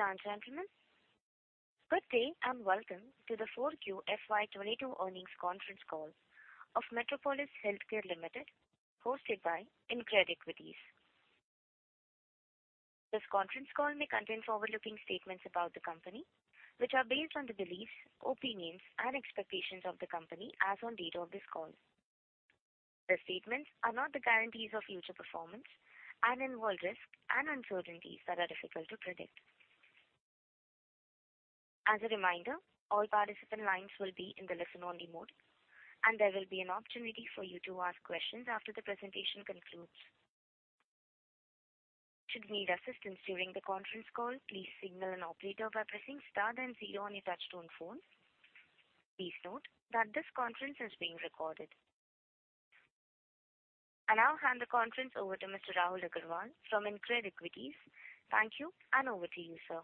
Ladies and gentlemen, good day and welcome to the 4Q FY22 earnings conference call of Metropolis Healthcare Limited, hosted by InCred Equities. This conference call may contain forward-looking statements about the company, which are based on the beliefs, opinions and expectations of the company as on date of this call. The statements are not the guarantees of future performance and involve risks and uncertainties that are difficult to predict. As a reminder, all participant lines will be in the listen-only mode, and there will be an opportunity for you to ask questions after the presentation concludes. Should you need assistance during the conference call, please signal an operator by pressing star then zero on your touchtone phone. Please note that this conference is being recorded. I now hand the conference over to Mr. Rahul Agrawal from InCred Equities. Thank you, and over to you, sir.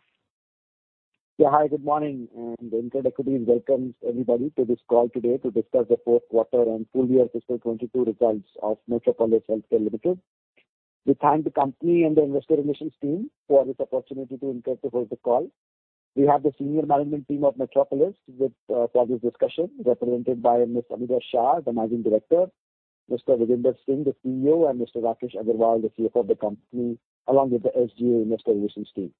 Hi, good morning. InCred Equities welcomes everybody to this call today to discuss the fourth quarter and full year fiscal 2022 results of Metropolis Healthcare Limited. We thank the company and the investor relations team for this opportunity to interact over the call. We have the senior management team of Metropolis for this discussion, represented by Ms. Ameera Shah, the Managing Director, Mr. Vijender Singh, the CEO, and Mr. Rakesh Agarwal, the CFO of the company, along with the SGA investor relations team.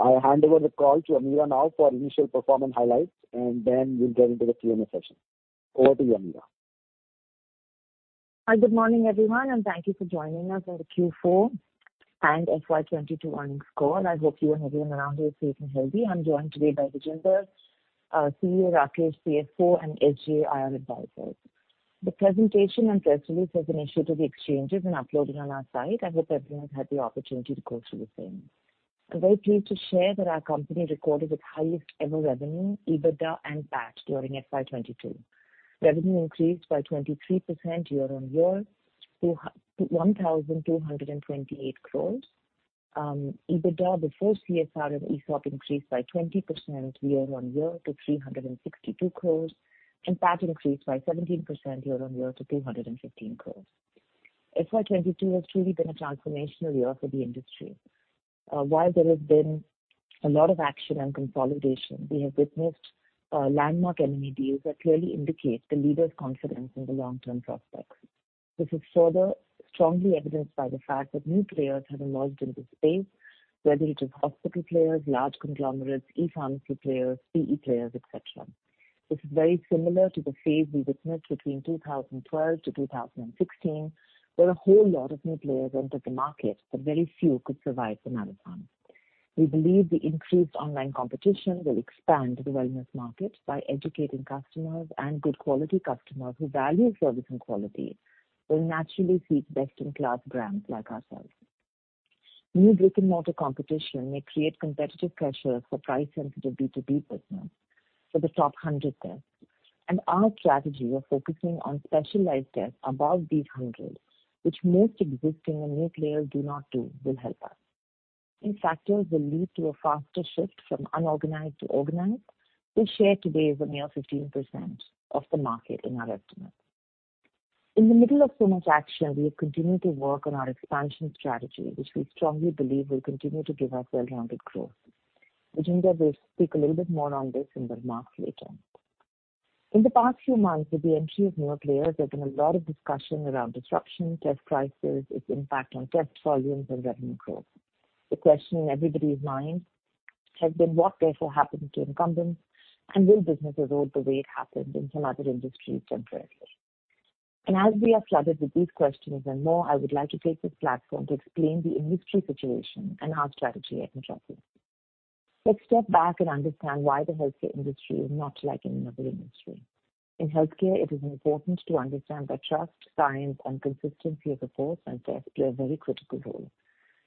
I'll hand over the call to Ameera now for initial performance highlights, and then we'll get into the Q&A session. Over to you, Ameera. Hi, good morning, everyone, and thank you for joining us for the Q4 and FY 2022 earnings call. I hope you and everyone around you is safe and healthy. I'm joined today by Vijender, our CEO, Rakesh, CFO, and SGA IR advisors. The presentation and press release has been issued to the exchanges and uploaded on our site. I hope everyone's had the opportunity to go through the same. I'm very pleased to share that our company recorded its highest ever revenue, EBITDA and PAT during FY 2022. Revenue increased by 23% year-on-year to 1,228 crores. EBITDA before CSR and ESOP increased by 20% year-on-year to 362 crores. PAT increased by 17% year-on-year to 215 crores. FY 2022 has truly been a transformational year for the industry. While there has been a lot of action and consolidation, we have witnessed landmark M&A deals that clearly indicate the leaders' confidence in the long-term prospects. This is further strongly evidenced by the fact that new players have emerged into the space, whether it is hospital players, large conglomerates, e-pharmacy players, PE players, et cetera. This is very similar to the phase we witnessed between 2012 and 2016, where a whole lot of new players entered the market, but very few could survive the marathon. We believe the increased online competition will expand the wellness market by educating customers, and good quality customers who value service and quality will naturally seek best-in-class brands like ourselves. New brick-and-mortar competition may create competitive pressure for price-sensitive B2B business for the top hundred tests. Our strategy of focusing on specialized tests above these 100, which most existing and new players do not do, will help us. These factors will lead to a faster shift from unorganized to organized, whose share today is a mere 15% of the market in our estimate. In the middle of so much action, we have continued to work on our expansion strategy, which we strongly believe will continue to give us well-rounded growth. Vijender will speak a little bit more on this in the remarks later. In the past few months, with the entry of new players, there's been a lot of discussion around disruption, test prices, its impact on test volumes and revenue growth. The question in everybody's mind has been what, therefore, happens to incumbents, and will business erode the way it happened in some other industries temporarily? As we are flooded with these questions and more, I would like to take this platform to explain the industry situation and our strategy at Metropolis. Let's step back and understand why the healthcare industry is not like any other industry. In healthcare, it is important to understand that trust, science, and consistency of the report and test play a very critical role.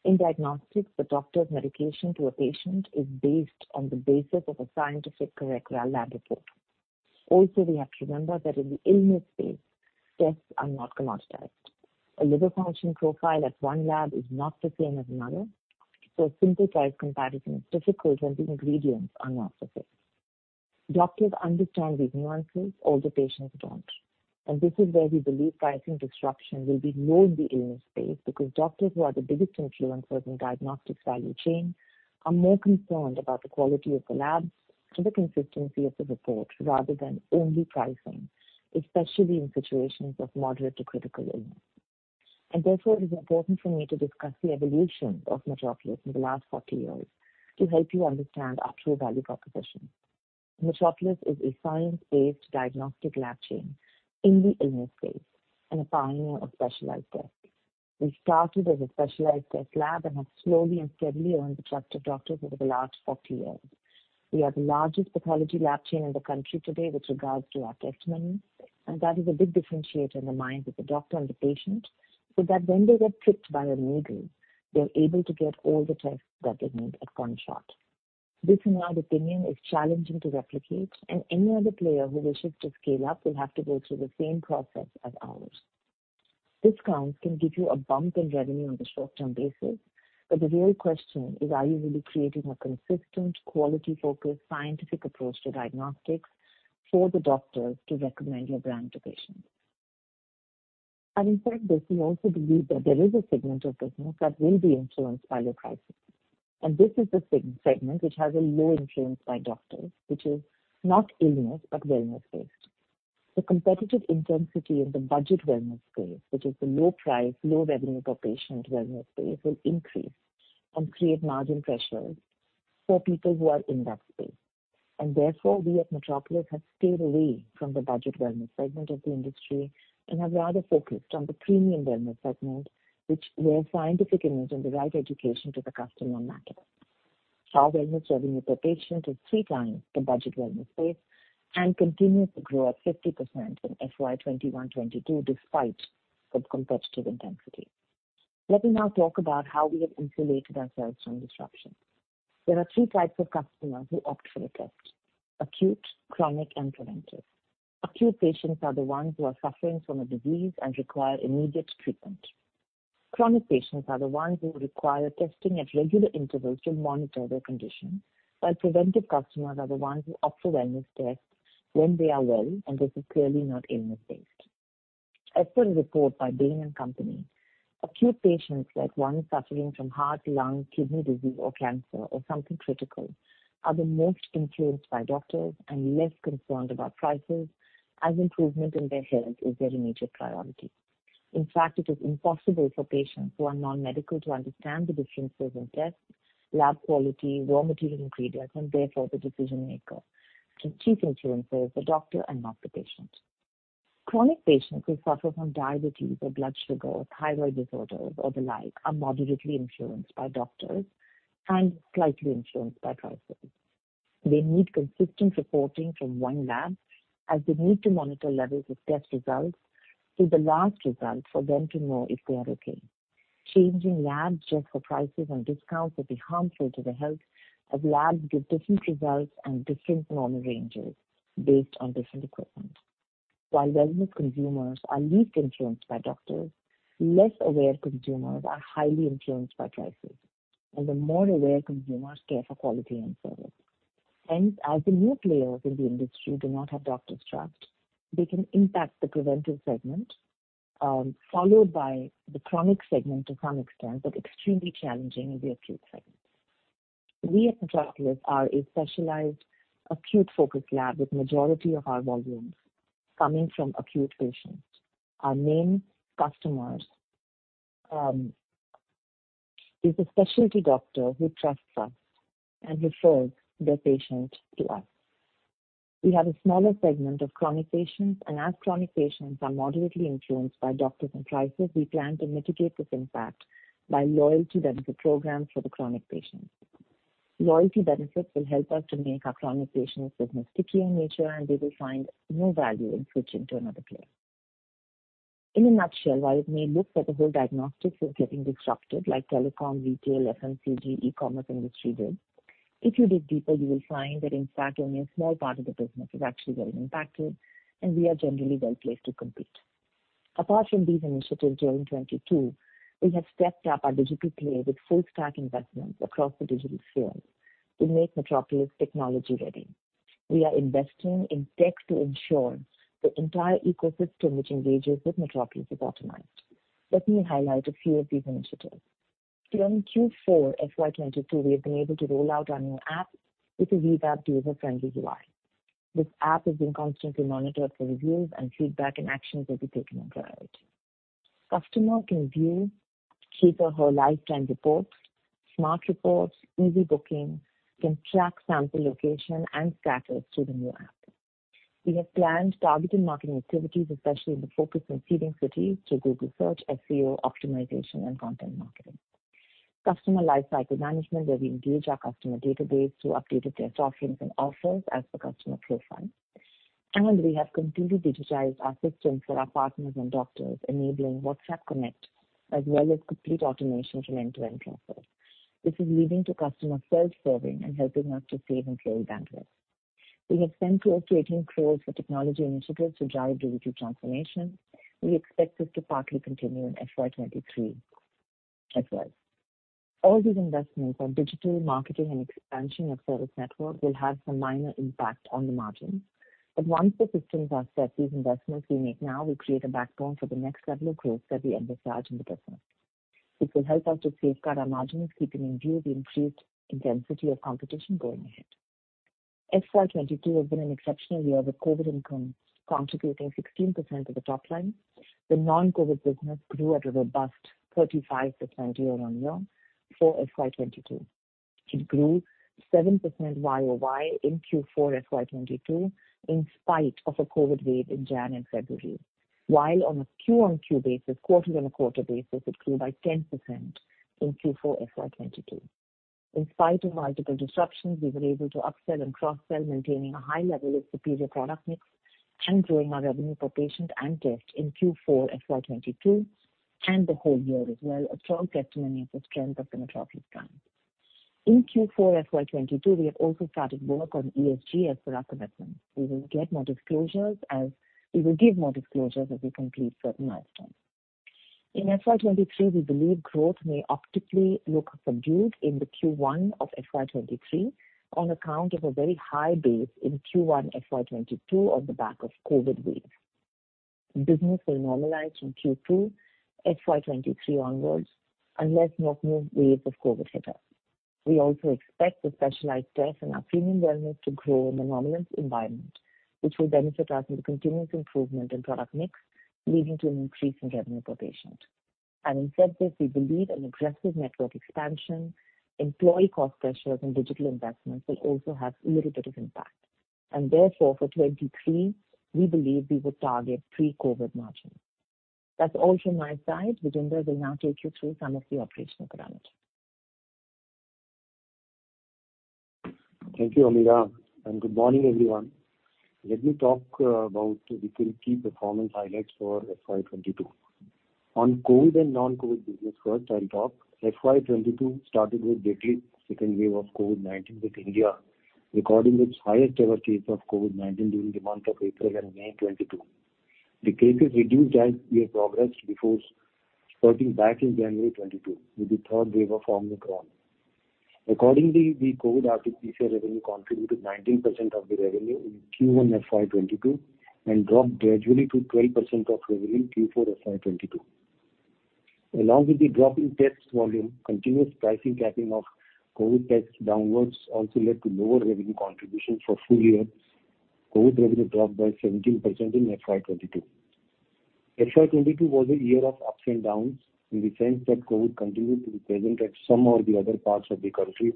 In diagnostics, the doctor's medication to a patient is based on the basis of a scientific, correct lab report. Also, we have to remember that in the illness space, tests are not commoditized. A liver function profile at one lab is not the same as another, so a simple price comparison is difficult when the ingredients are not the same. Doctors understand these nuances, although patients don't. This is where we believe pricing disruption will be more in the illness space because doctors, who are the biggest influencers in diagnostics value chain, are more concerned about the quality of the labs and the consistency of the report rather than only pricing, especially in situations of moderate to critical illness. Therefore, it is important for me to discuss the evolution of Metropolis in the last 40 years to help you understand our true value proposition. Metropolis is a science-based diagnostic lab chain in the illness space and a pioneer of specialized tests. We started as a specialized test lab and have slowly and steadily earned the trust of doctors over the last 40 years. We are the largest pathology lab chain in the country today with regards to our test menu, and that is a big differentiator in the minds of the doctor and the patient, so that when they get pricked by a needle, they're able to get all the tests that they need at one shot. This, in our opinion, is challenging to replicate, and any other player who wishes to scale up will have to go through the same process as ours. Discounts can give you a bump in revenue on a short-term basis, but the real question is: Are you really creating a consistent, quality-focused, scientific approach to diagnostics for the doctors to recommend your brand to patients? In fact, we also believe that there is a segment of business that will be influenced by low prices. This is the segment which has a low influence by doctors, which is not illness, but wellness-based. The competitive intensity in the budget wellness space, which is the low price, low revenue per patient wellness space, will increase and create margin pressures for people who are in that space. Therefore, we at Metropolis have stayed away from the budget wellness segment of the industry and have rather focused on the premium wellness segment, where scientific image and the right education to the customer matter. Our wellness revenue per patient is three times the budget wellness space and continues to grow at 50% in FY 2021-22, despite the competitive intensity. Let me now talk about how we have insulated ourselves from disruption. There are three types of customers who opt for a test: acute, chronic, and preventive. Acute patients are the ones who are suffering from a disease and require immediate treatment. Chronic patients are the ones who require testing at regular intervals to monitor their condition. While preventive customers are the ones who opt for wellness tests when they are well, and this is clearly not illness-based. As per the report by Bain & Company, acute patients, like one suffering from heart, lung, kidney disease or cancer or something critical, are the most influenced by doctors and less concerned about prices, as improvement in their health is their immediate priority. In fact, it is impossible for patients who are non-medical to understand the differences in tests, lab quality, raw material ingredients, and therefore the decision-maker. The chief influencer is the doctor and not the patient. Chronic patients who suffer from diabetes or blood sugar or thyroid disorders or the like are moderately influenced by doctors and slightly influenced by prices. They need consistent reporting from one lab, as they need to monitor levels of test results to the last result for them to know if they are okay. Changing labs just for prices and discounts would be harmful to their health, as labs give different results and different normal ranges based on different equipment. While wellness consumers are least influenced by doctors, less aware consumers are highly influenced by prices, and the more aware consumers care for quality and service. Hence, as the new players in the industry do not have doctors' trust, they can impact the preventive segment, followed by the chronic segment to some extent, but extremely challenging in the acute segment. We at Metropolis are a specialized acute-focused lab, with majority of our volumes coming from acute patients. Our main customers is a specialty doctor who trusts us and refers their patient to us. We have a smaller segment of chronic patients, and as chronic patients are moderately influenced by doctors and prices, we plan to mitigate this impact by loyalty benefit programs for the chronic patients. Loyalty benefits will help us to make our chronic patients business sticky in nature, and they will find more value in switching to another player. In a nutshell, while it may look that the whole diagnostics is getting disrupted like telecom, retail, FMCG, e-commerce industry did, if you dig deeper, you will find that in fact only a small part of the business is actually getting impacted, and we are generally well-placed to compete. Apart from these initiatives during 2022, we have stepped up our digital play with full stack investments across the digital sphere to make Metropolis technology-ready. We are investing in tech to ensure the entire ecosystem which engages with Metropolis is optimized. Let me highlight a few of these initiatives. During Q4 FY 2022, we have been able to roll out our new app with a revamped user-friendly UI. This app is being constantly monitored for reviews and feedback, and actions will be taken on priority. Customer can view, keep a whole lifetime reports, smart reports, easy booking, can track sample location and status through the new app. We have planned targeted marketing activities, especially with focus on seeding cities through Google search, SEO optimization and content marketing. Customer lifecycle management, where we engage our customer database through updated test offerings and offers as per customer profile. We have completely digitized our systems for our partners and doctors, enabling WhatsApp connect as well as complete automation from end-to-end process. This is leading to customer self-service and helping us to save employee bandwidth. We have spent INR 12-18 crore for technology initiatives through our digital transformation. We expect this to partly continue in FY 2023 as well. All these investments on digital marketing and expansion of service network will have some minor impact on the margins. Once the systems are set, these investments we make now will create a backbone for the next level of growth that we envisage in the business. It will help us to safeguard our margins, keeping in view the increased intensity of competition going ahead. FY 2022 has been an exceptional year, with COVID incomes contributing 16% of the top line. The non-COVID business grew at a robust 35% year-on-year for FY 2022. It grew 7% Y-o-Y in Q4 FY 2022, in spite of a COVID wave in January and February. While on a Q-on-Q basis, quarter on a quarter basis, it grew by 10% in Q4 FY 2022. In spite of multiple disruptions, we were able to upsell and cross-sell, maintaining a high level of superior product mix and growing our revenue per patient and test in Q4 FY 2022 and the whole year as well. A strong testimony of the strength of the Metropolis brand. In Q4 FY 2022, we have also started work on ESG as per our commitment. We will give more disclosures as we complete certain milestones. In FY 2023, we believe growth may optically look subdued in the Q1 of FY 2023 on account of a very high base in Q1 FY 2022 on the back of COVID wave. Business will normalize in Q2 FY 2023 onwards, unless no new wave of COVID hit us. We also expect the specialized tests and our premium wellness to grow in a nominal environment, which will benefit us in the continuous improvement in product mix, leading to an increase in revenue per patient. Having said this, we believe an aggressive network expansion, employee cost pressures, and digital investments will also have a little bit of impact. Therefore, for 2023, we believe we would target pre-COVID margin. That's all from my side. Vijender will now take you through some of the operational parameters. Thank you, Ameera, and good morning, everyone. Let me talk about the key performance highlights for FY 2022. On COVID and non-COVID business first I'll talk. FY 2022 started with deadly second wave of COVID-19, with India recording its highest ever case of COVID-19 during the month of April and May 2022. The cases reduced as we progressed before surging back in January 2022, with the third wave of Omicron. Accordingly, the COVID RT-PCR revenue contributed 19% of the revenue in Q1 FY 2022 and dropped gradually to 12% of revenue in Q4 FY 2022. Along with the drop in test volume, continuous pricing capping of COVID tests downwards also led to lower revenue contribution for full year. COVID revenue dropped by 17% in FY 2022. FY 2022 was a year of ups and downs in the sense that COVID continued to be present at some or the other parts of the country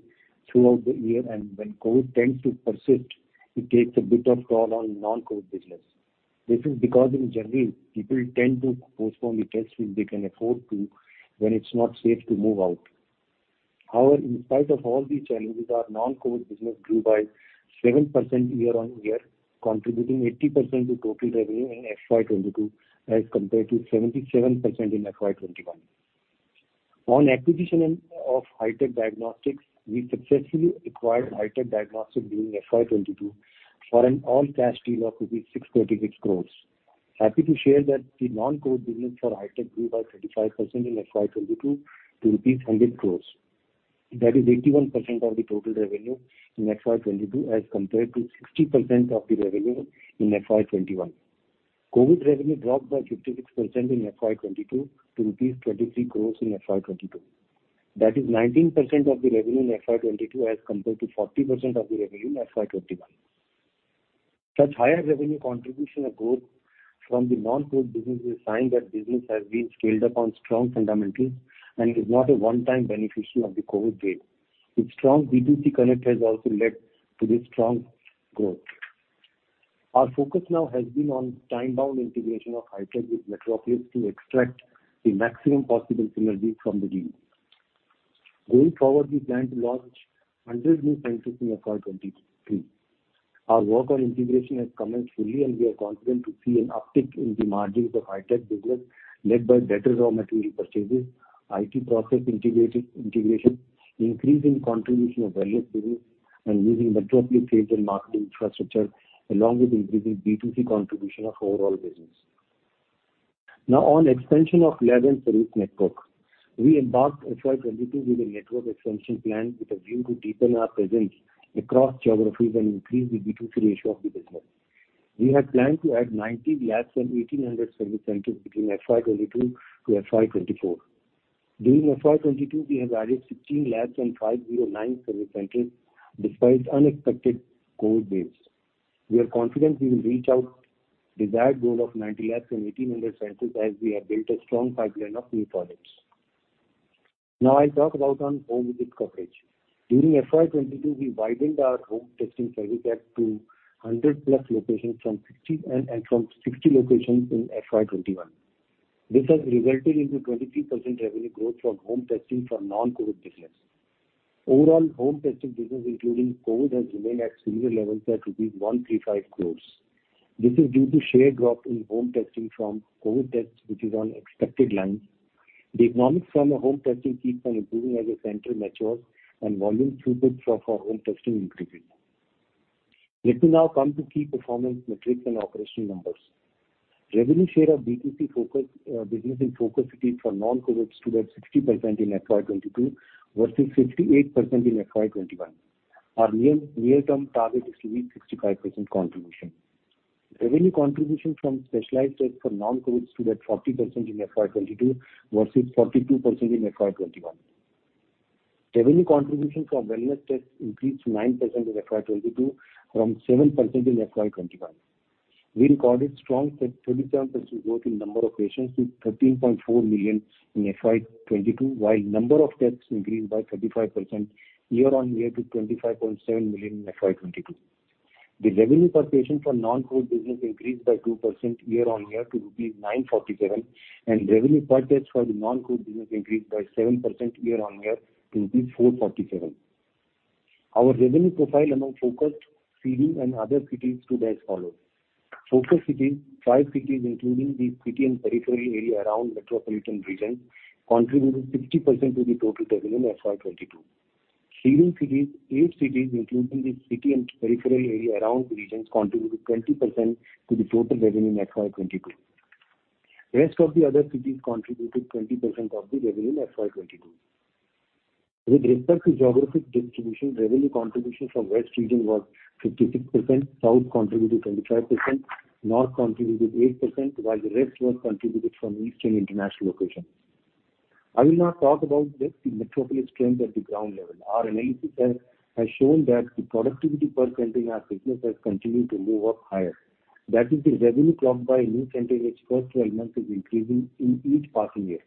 throughout the year. When COVID tends to persist, it takes a bit of toll on non-COVID business. This is because in general, people tend to postpone the tests which they can afford to when it's not safe to move out. However, in spite of all these challenges, our non-COVID business grew by 7% year-on-year, contributing 80% to total revenue in FY 2022 as compared to 77% in FY 2021. On acquisition of Hitech Diagnostic Centre, we successfully acquired Hitech Diagnostic Centre during FY 2022 for an all-cash deal of rupees 636 crores. Happy to share that the non-COVID business for Hitech Diagnostic Centre grew by 35% in FY 2022 to 100 crores. That is 81% of the total revenue in FY 2022 as compared to 60% of the revenue in FY 2021. COVID revenue dropped by 56% in FY 2022 to rupees 23 crores in FY 2022. That is 19% of the revenue in FY 2022 as compared to 40% of the revenue in FY 2021. Such higher revenue contribution of growth from the non-COVID business is a sign that business has been scaled up on strong fundamentals and is not a one-time beneficiary of the COVID wave. Its strong B2C connect has also led to this strong growth. Our focus now has been on time-bound integration of Hitech with Metropolis to extract the maximum possible synergies from the deal. Going forward, we plan to launch 100 new centers in FY 2023. Our work on integration has commenced fully, and we are confident to see an uptick in the margins of Hitech business led by better raw material purchases, IT process integration, increase in contribution of volume business, and using Metropolis sales and marketing infrastructure, along with increasing B2C contribution of overall business. Now on expansion of lab and service network. We embarked FY 2022 with a network expansion plan with a view to deepen our presence across geographies and increase the B2C ratio of the business. We had planned to add 90 labs and 1,800 service centers between FY 2022 to FY 2024. During FY 2022, we have added 16 labs and 509 service centers despite unexpected COVID waves. We are confident we will reach our desired goal of 90 labs and 1,800 centers as we have built a strong pipeline of new projects. I'll talk about home visit coverage. During FY 2022, we widened our home testing service to 200+ locations from 50 locations in FY 2021. This has resulted in 23% revenue growth from home testing for non-COVID business. Overall, home testing business including COVID has remained at similar levels of rupees 135 crores. This is due to sharp drop in home testing from COVID tests, which is on expected lines. The economics of home testing keeps on improving as the center matures and volume throughput for home testing increases. Let me now come to key performance metrics and operational numbers. Revenue share of B2C-focused business in focus cities for non-COVID stood at 60% in FY 2022 versus 58% in FY 2021. Our near-term target is to be 65% contribution. Revenue contribution from specialized tests for non-COVID stood at 40% in FY 2022 versus 42% in FY 2021. Revenue contribution from wellness tests increased 9% in FY 2022 from 7% in FY 2021. We recorded strong 37% growth in number of patients to 13.4 million in FY 2022, while number of tests increased by 35% year-on-year to 25.7 million in FY 2022. The revenue per patient for non-COVID business increased by 2% year-on-year to 947, and revenue per test for the non-COVID business increased by 7% year-on-year to 447. Our revenue profile among focused, seeding, and other cities stood as follows. Focus cities, 5 cities, including the city and peripheral area around metropolitan region, contributed 60% to the total revenue in FY 2022. Leading cities, 8 cities, including the city and peripheral area around the regions contributed 20% to the total revenue in FY 2022. Rest of the other cities contributed 20% of the revenue in FY 2022. With respect to geographic distribution, revenue contribution from West region was 56%. South contributed 25%. North contributed 8%, while the rest was contributed from East international locations. I will now talk about this, the Metropolis trend at the ground level. Our analysis has shown that the productivity per center in our business has continued to move up higher. That is the revenue clocked by a new center in its first 12 months is increasing in each passing year.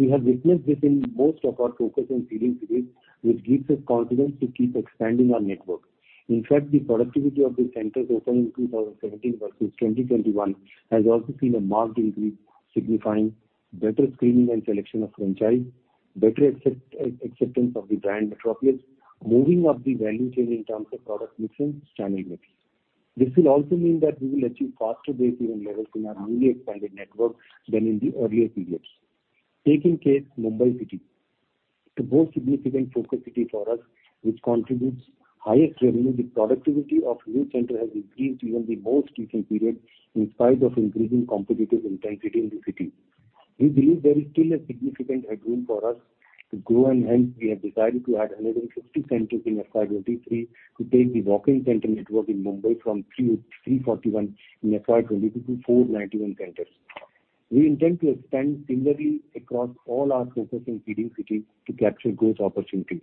We have witnessed this in most of our focus on leading cities, which gives us confidence to keep expanding our network. In fact, the productivity of the centers opened in 2017 versus 2021 has also seen a marked increase signifying better screening and selection of franchise, better acceptance of the brand Metropolis, moving up the value chain in terms of product mix and channel mix. This will also mean that we will achieve faster breakeven levels in our newly expanded network than in the earlier periods. Taking case Mumbai city. It's a most significant focus city for us, which contributes highest revenue. The productivity of new center has increased even in the most recent period in spite of increasing competitive intensity in the city. We believe there is still a significant headroom for us to grow, and hence we have decided to add another 60 centers in FY 2023 to take the walk-in center network in Mumbai from 341 in FY 2022 to 491 centers. We intend to expand similarly across all our focus in leading cities to capture growth opportunities.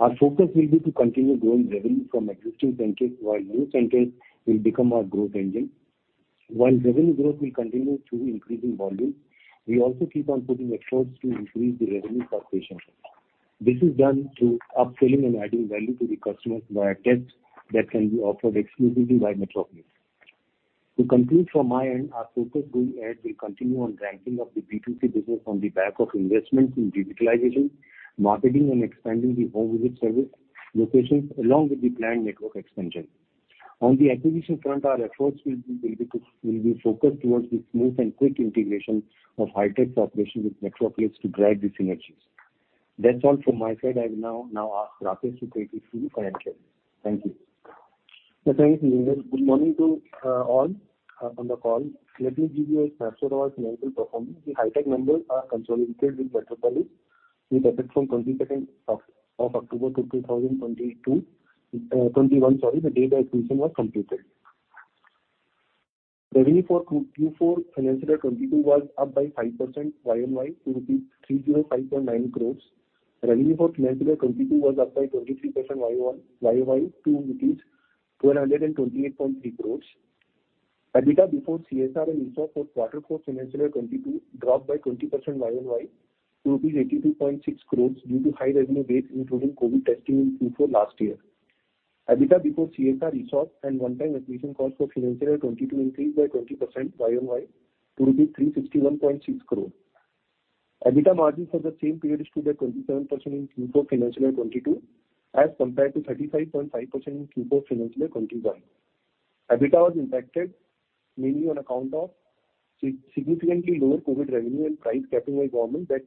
Our focus will be to continue growing revenue from existing centers while new centers will become our growth engine. While revenue growth will continue through increasing volume, we also keep on putting efforts to increase the revenue per patient. This is done through upselling and adding value to the customers via tests that can be offered exclusively by Metropolis. To conclude from my end, our focus going ahead will continue on strengthening of the B2C business on the back of investment in digitalization, marketing and expanding the home visit service locations along with the planned network expansion. On the acquisition front, our efforts will be focused towards the smooth and quick integration of Hitech's operations with Metropolis to drive the synergies. That's all from my side. I will now ask Rakesh to take you through financial. Thank you. Thank you, Vijender. Good morning to all on the call. Let me give you a snapshot of our financial performance. The Hitech numbers are consolidated with Metropolis with effect from 22nd of October 2021, sorry, the day the acquisition was completed. Revenue for Q4 financial year 2022 was up by 5% year-on-year to rupees 305.9 crores. Revenue for financial year 2022 was up by 23% year-on-year to INR 1,228.3 crores. EBITDA before CSR and ESOP for quarter four financial year 2022 dropped by 20% year-on-year to rupees 82.6 crores due to high revenue base, including COVID testing in Q4 last year. EBITDA before CSR, ESOP and one-time acquisition cost for financial year 2022 increased by 20% year-on-year to 361.6 crores. EBITDA margin for the same period stood at 27% in Q4 financial year 2022 as compared to 35.5% in Q4 financial year 2021. EBITDA was impacted mainly on account of significantly lower COVID revenue and price capping by government that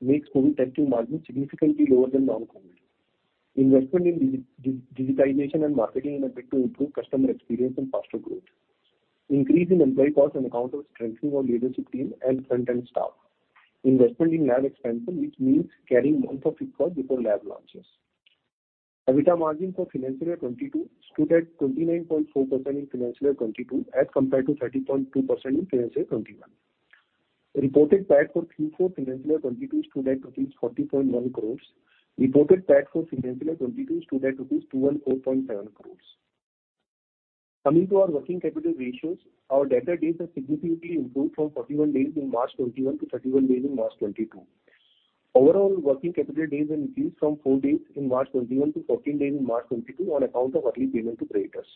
makes COVID testing margin significantly lower than non-COVID. Investment in digitization and marketing in an effort to improve customer experience and faster growth. Increase in employee costs on account of strengthening our leadership team and front-end staff. Investment in lab expansion, which means carrying month of fit-out cost before lab launches. EBITDA margin for financial year 2022 stood at 29.4% in financial year 2022 as compared to 30.2% in financial year 2021. Reported PAT for Q4 financial year 2022 stood at rupees 40.1 crores. Reported PAT for financial year 2022 stood at rupees 214.7 crores. Coming to our working capital ratios, our debtor days have significantly improved from 41 days in March 2021 to 31 days in March 2022. Overall, working capital days have reduced from 4 days in March 2021 to 14 days in March 2022 on account of early payment to creditors.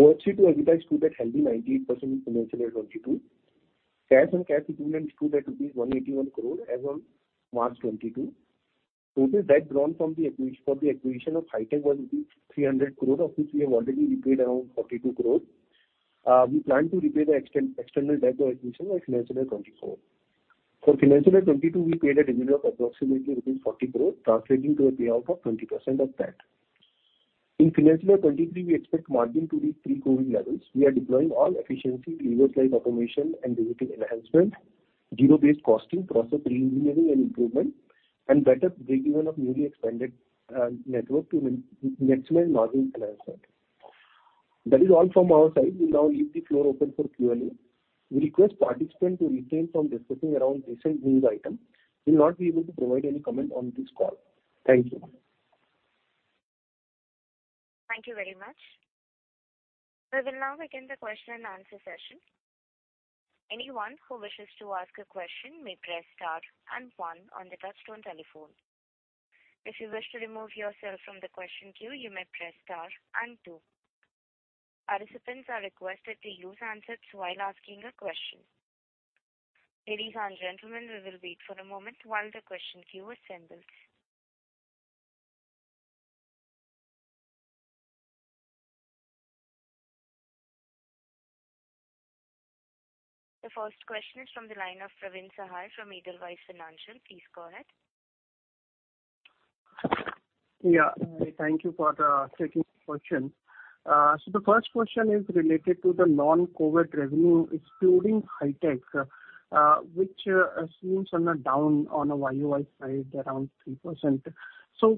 OCF to EBITDA stood at healthy 98% in financial year 2022. Cash and cash equivalents stood at rupees 181 crore as on March 2022. Total debt drawn for the acquisition of Hitech was rupees 300 crore, of which we have already repaid around 42 crore. We plan to repay the external debt for acquisition by financial year 2024. For financial year 2022, we paid a dividend of approximately rupees 40 crore, translating to a payout of 20% of PAT. In financial year 2023, we expect margin to reach pre-COVID levels. We are deploying all efficiency levers like automation and digital enhancement, zero-based costing, process re-engineering and improvement, and better breakeven of newly expanded network to maximize margin enhancement. That is all from our side. We'll now leave the floor open for Q&A. We request participants to refrain from discussing around recent news items. We will not be able to provide any comment on this call. Thank you. Thank you very much. We will now begin the question and answer session. Anyone who wishes to ask a question may press star and one on the touchtone telephone. If you wish to remove yourself from the question queue, you may press star and two. Participants are requested to use handsets while asking a question. Ladies and gentlemen, we will wait for a moment while the question queue assembles. The first question is from the line of Praveen Sahay from Edelweiss Financial. Please go ahead. Yeah. Thank you for taking the question. The first question is related to the non-COVID revenue excluding Hitech, which seems down on a YOY side, around 3%.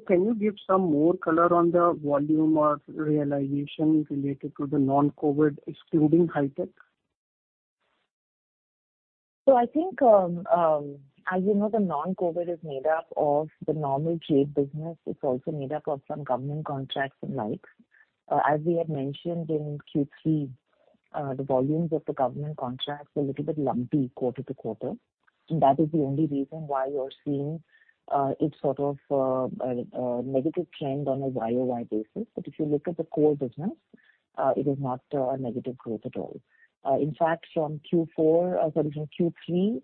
Can you give some more color on the volume of realization related to the non-COVID excluding Hitech? I think, as you know, the non-COVID is made up of the normal J business. It's also made up of some government contracts and the like. As we had mentioned in Q3, the volumes of the government contracts are a little bit lumpy quarter-to-quarter. That is the only reason why you're seeing it sort of a negative trend on a YOY basis. But if you look at the core business, it is not a negative growth at all. In fact, from Q3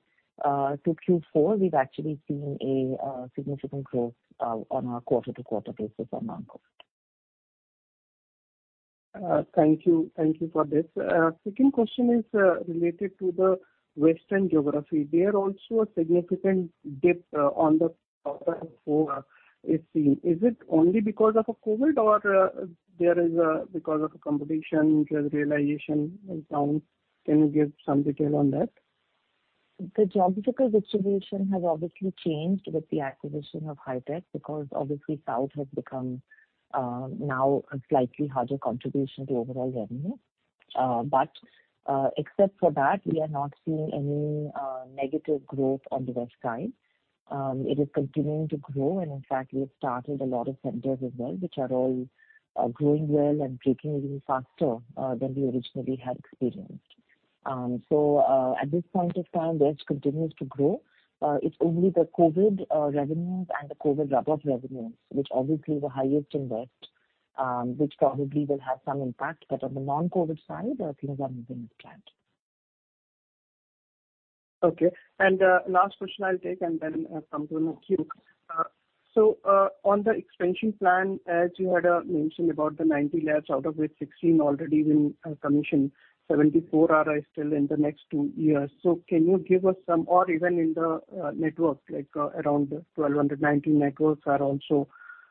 to Q4, we've actually seen a significant growth on our quarter-to-quarter basis on non-COVID. Thank you. Thank you for this. Second question is related to the Western geography. There also a significant dip, one is seen. Is it only because of COVID or there is because of a competition realization in town? Can you give some detail on that? The geographical distribution has obviously changed with the acquisition of Hitech, because obviously South has become now a slightly higher contribution to overall revenue. Except for that, we are not seeing any negative growth on the West side. It is continuing to grow, and in fact, we have started a lot of centers as well, which are all growing well and breaking even faster than we originally had experienced. At this point of time, West continues to grow. It's only the COVID revenues and the COVID rub off revenues, which obviously the highest in West, which probably will have some impact, but on the non-COVID side, things are moving as planned. Okay. Last question I'll take and then come to Anukool. On the expansion plan, as you had mentioned about the 90 labs, out of which 16 already been commissioned, 74 are still in the next two years. Can you give us some. Or even in the network, like, around 1,290 networks are also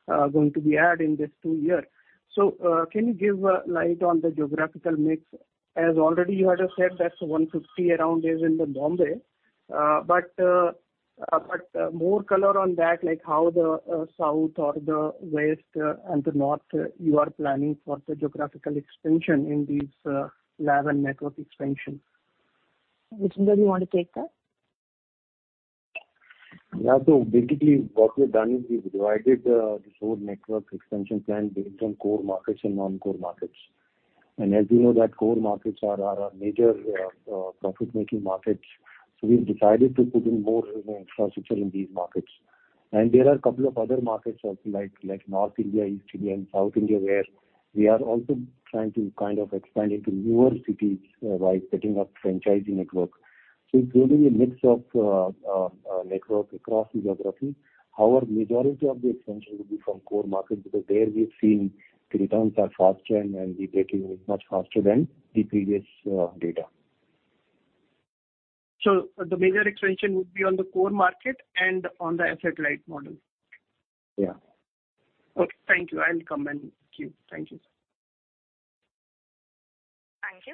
going to be added in this two-year. Can you give light on the geographical mix. As already you had said that around 150 is in the Bombay. But more color on that, like how the South or the West and the North you are planning for the geographical expansion in these lab and network expansion. Vijender, you want to take that? Yeah. Basically what we've done is we've divided this whole network extension plan based on core markets and non-core markets. As we know that core markets are our major profit-making markets, we've decided to put in more infrastructure in these markets. There are a couple of other markets also like North India, East India and South India, where we are also trying to kind of expand into newer cities by setting up franchising network. It's really a mix of network across geographies. However, majority of the expansion will be from core markets because there we've seen returns are faster and we're breaking much faster than the previous data. The major expansion would be on the core market and on the satellite model? Yeah. Okay. Thank you. I'll come back to you. Thank you. Thank you.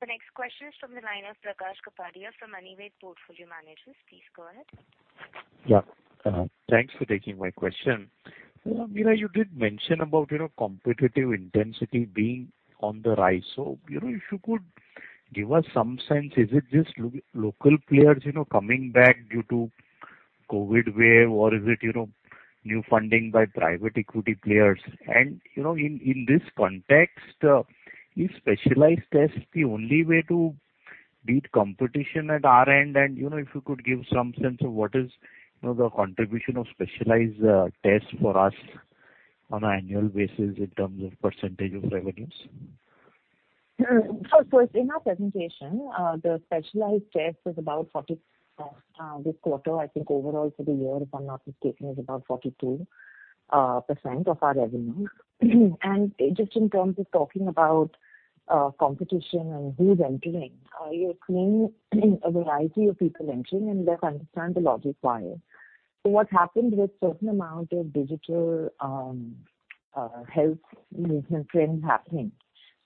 The next question is from the line of Prakash Kapadia from Anived Portfolio Managers. Please go ahead. Thanks for taking my question. Ameera, you did mention about, you know, competitive intensity being on the rise. You know, if you could give us some sense, is it just local players, you know, coming back due to COVID wave, or is it, you know, new funding by private equity players? You know, in this context, is specialized tests the only way to beat competition at our end? You know, if you could give some sense of what is, you know, the contribution of specialized tests for us on an annual basis in terms of percentage of revenues. First, in our presentation, the specialized tests was about 40 this quarter. I think overall for the year, if I'm not mistaken, is about 42% of our revenue. Just in terms of talking about competition and who's entering, you're seeing a variety of people entering, and let's understand the logic why. What's happened with certain amount of digital health movement trends happening,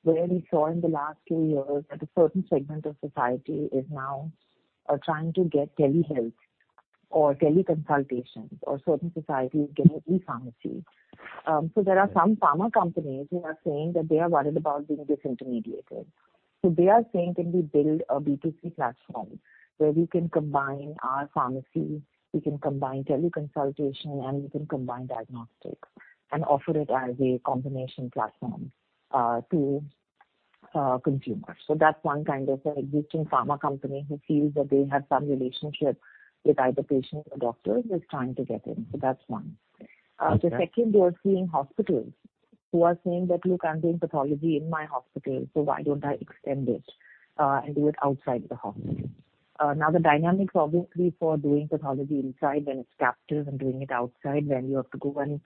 where we saw in the last two years that a certain segment of society is now trying to get telehealth or teleconsultations or certain society is getting e-pharmacy. There are some pharma companies who are saying that they are worried about being disintermediated. They are saying, "Can we build a B2C platform where we can combine our pharmacy, we can combine teleconsultation, and we can combine diagnostics and offer it as a combination platform to consumers?" That's one kind of an existing pharma company who feels that they have some relationship with either patients or doctors, is trying to get in. That's one. Okay. The second we are seeing hospitals who are saying that, "You can do pathology in my hospital, so why don't I extend it, and do it outside the hospital?" Now the dynamics obviously for doing pathology inside when it's captive and doing it outside when you have to go and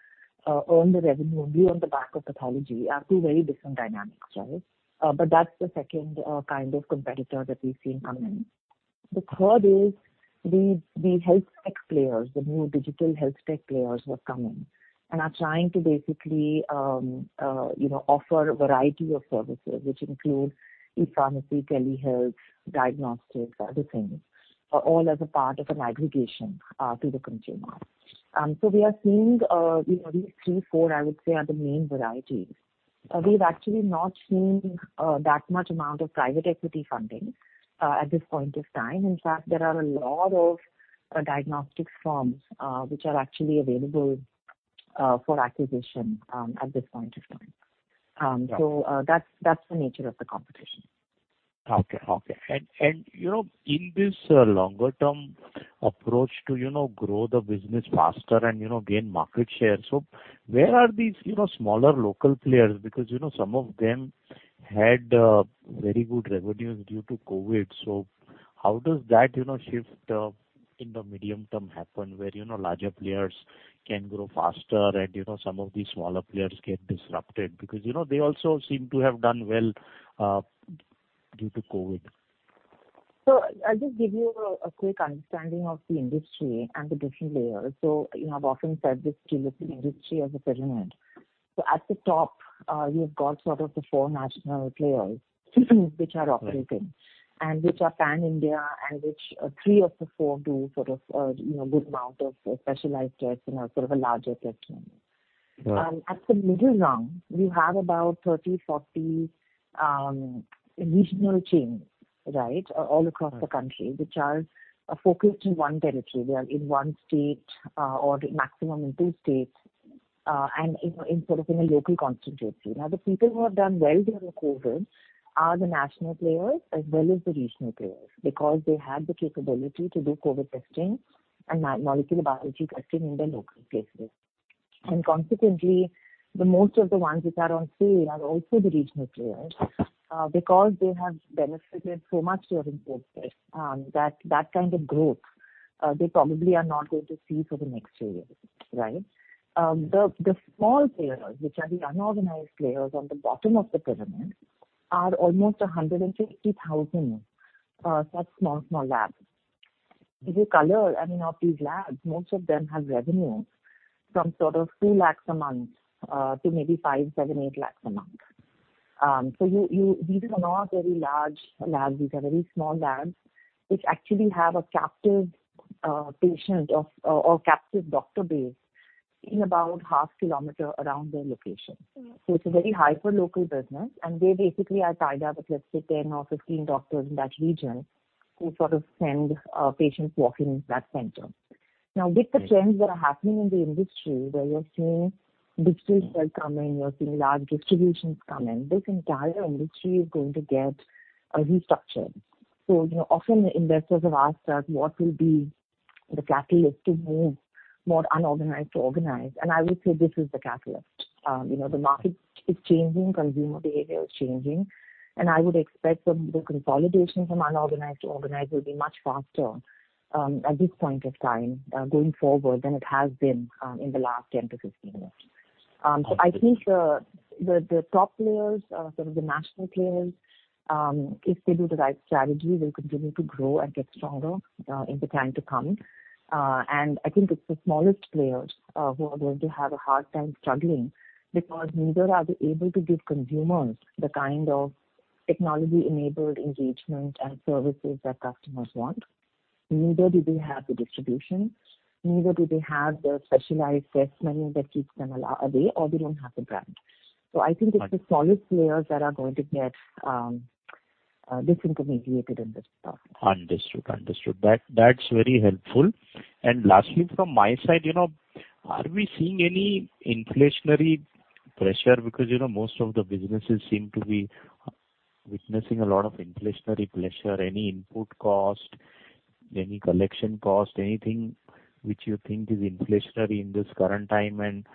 earn the revenue only on the back of pathology are two very different dynamics, Prakash Kapadia. But that's the second kind of competitor that we've seen come in. The third is these health tech players. The new digital health tech players who have come in and are trying to basically, you know, offer a variety of services, which include e-pharmacy, telehealth, diagnostics, other things, all as a part of an aggregation to the consumer. We are seeing, you know, these three, four, I would say, are the main varieties. We've actually not seen that much amount of private equity funding at this point of time. In fact, there are a lot of diagnostics firms which are actually available for acquisition at this point of time. That's the nature of the competition. Okay. Okay. You know, in this longer-term approach to you know, grow the business faster and you know, gain market share. Where are these you know, smaller local players? Because you know, some of them had very good revenues due to COVID. How does that you know, shift in the medium term happen where you know, larger players can grow faster and you know, some of these smaller players get disrupted because you know, they also seem to have done well due to COVID. I'll just give you a quick understanding of the industry and the different layers. You have often said this, Prakash Kapadia. The industry as a pyramid. At the top, you've got sort of the four national players which are operating and which are pan-India and which, three of the four do sort of, you know, good amount of specialized tests, you know, sort of a larger testing. Right. At the middle rung you have about 30-40 regional chains, right, all across the country, which are focused in one territory. They are in one state, or maximum in two states. You know, in sort of a local constituency. Now, the people who have done well during COVID are the national players as well as the regional players, because they had the capability to do COVID testing and molecular biology testing in their local places. Consequently, the most of the ones which are on sale are also the regional players, because they have benefited so much during COVID. That kind of growth, they probably are not going to see for the next two years, right? The small players, which are the unorganized players on the bottom of the pyramid, are almost 150,000 such small labs. If you cover any of these labs, most of them have revenues from sort of 2 lakhs a month to maybe 5, 7, 8 lakhs a month. These are not very large labs. These are very small labs which actually have a captive patient or captive doctor base in about half kilometer around their location. It's a very hyperlocal business. They basically are tied up with, let's say, 10 or 15 doctors in that region who sort of send patients walking into that center. Now, with the trends that are happening in the industry where you're seeing digital health come in, you're seeing large distributions come in, this entire industry is going to get a restructure. You know, often investors have asked us what will be the catalyst to move more unorganized to organized. I would say this is the catalyst. You know, the market is changing, consumer behavior is changing, and I would expect the top players, sort of the national players, if they do the right strategy, will continue to grow and get stronger, in the time to come. I think it's the smallest players who are going to have a hard time struggling because neither are they able to give consumers the kind of technology-enabled engagement and services that customers want. Neither do they have the distribution, neither do they have the specialized test menu that keeps them away, or they don't have the brand. I think it's the smallest players that are going to get disintermediated in this process. Understood. That, that's very helpful. Lastly, from my side, you know, are we seeing any inflationary pressure? Because, you know, most of the businesses seem to be witnessing a lot of inflationary pressure. Any input cost, any collection cost, anything which you think is inflationary in this current time, and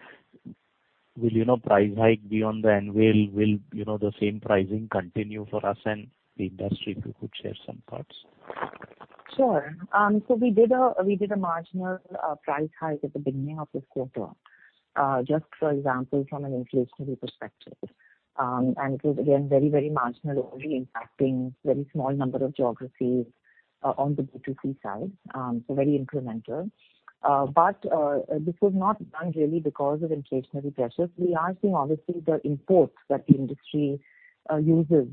will, you know, price hike be on the anvil? Will, you know, the same pricing continue for us and the industry? If you could share some thoughts. Sure. We did a marginal price hike at the beginning of this quarter, just for example, from an inflationary perspective. It was again very marginal, only impacting very small number of geographies on the B2C side. Very incremental. This was not done really because of inflationary pressures. We are seeing obviously the imports that the industry uses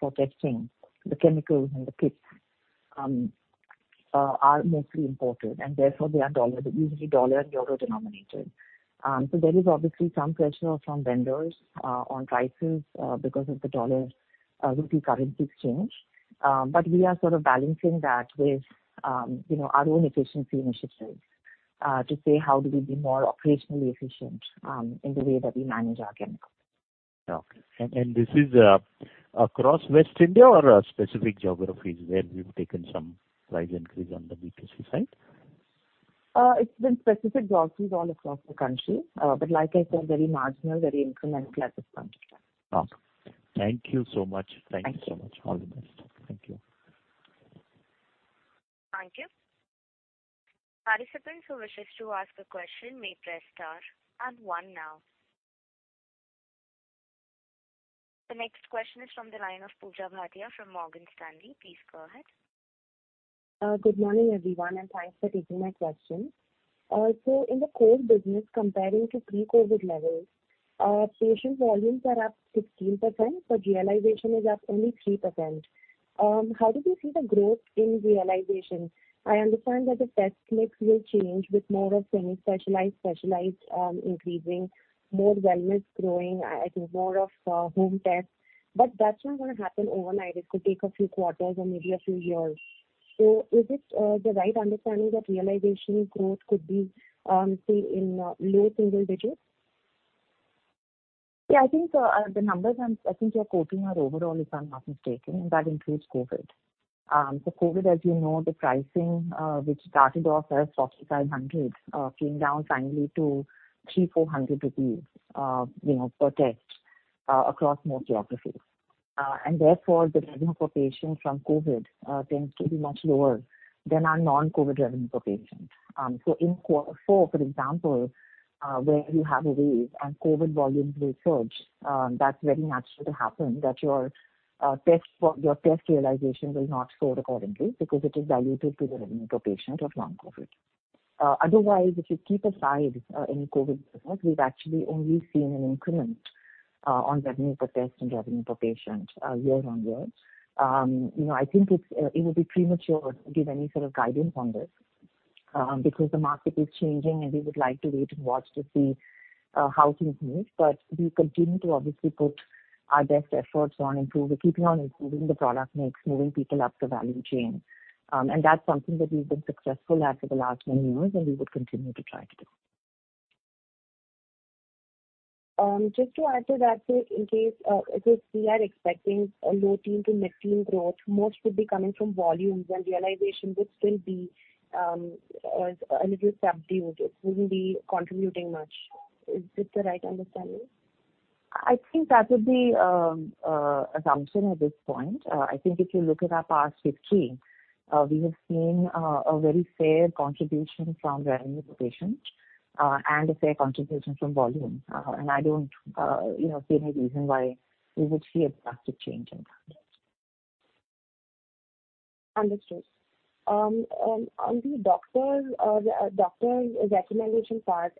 for testing. The chemicals and the kits are mostly imported and therefore they are dollar, usually dollar and euro denominated. There is obviously some pressure from vendors on prices because of the dollar rupee currency exchange. We are sort of balancing that with, you know, our own efficiency initiatives to say how do we be more operationally efficient in the way that we manage our chemicals. Okay. This is across West India or specific geographies where we've taken some price increase on the B2C side? It's been specific geographies all across the country. Like I said, very marginal, very incremental at this point in time. Okay. Thank you so much. Thank you. Thank you so much. All the best. Thank you. Thank you. Participants who wish to ask a question may press star and one now. The next question is from the line of Pooja Bhatia from Morgan Stanley. Please go ahead. Good morning, everyone, and thanks for taking my question. In the core business comparing to pre-COVID levels, patient volumes are up 16%, but realization is up only 3%. How do you see the growth in realization? I understand that the test mix will change with more of semi-specialized, specialized, increasing, more wellness growing, I think more of home tests. But that's not gonna happen overnight. It could take a few quarters or maybe a few years. Is it the right understanding that realization growth could be, say, in low single digits? Yeah, I think the numbers you're quoting are overall, if I'm not mistaken, that includes COVID. So COVID, as you know, the pricing which started off as 4,500 came down finally to 300-400 rupees, you know, per test across more geographies. Therefore the revenue per patient from COVID tends to be much lower than our non-COVID revenue per patient. In quarter four, for example, where you have a wave and COVID volumes will surge, that's very natural to happen that your test realization will not grow accordingly because it is diluted to the revenue per patient of non-COVID. Otherwise, if you keep aside any COVID business, we've actually only seen an increment on revenue per test and revenue per patient year-over-year. You know, I think it's it would be premature to give any sort of guidance on this, because the market is changing and we would like to wait and watch to see how things move. We continue to obviously put our best efforts on keeping on improving the product mix, moving people up the value chain. That's something that we've been successful at for the last many years and we would continue to try to do. Just to add to that, in case if we are expecting a low-teen to mid-teen growth, most would be coming from volumes and realization would still be a little subdued. It wouldn't be contributing much. Is this the right understanding? I think that would be assumption at this point. I think if you look at our past history, we have seen a very fair contribution from revenue per patient, and a fair contribution from volume. I don't, you know, see any reason why we would see a drastic change in that. Understood. On the doctor recommendation part,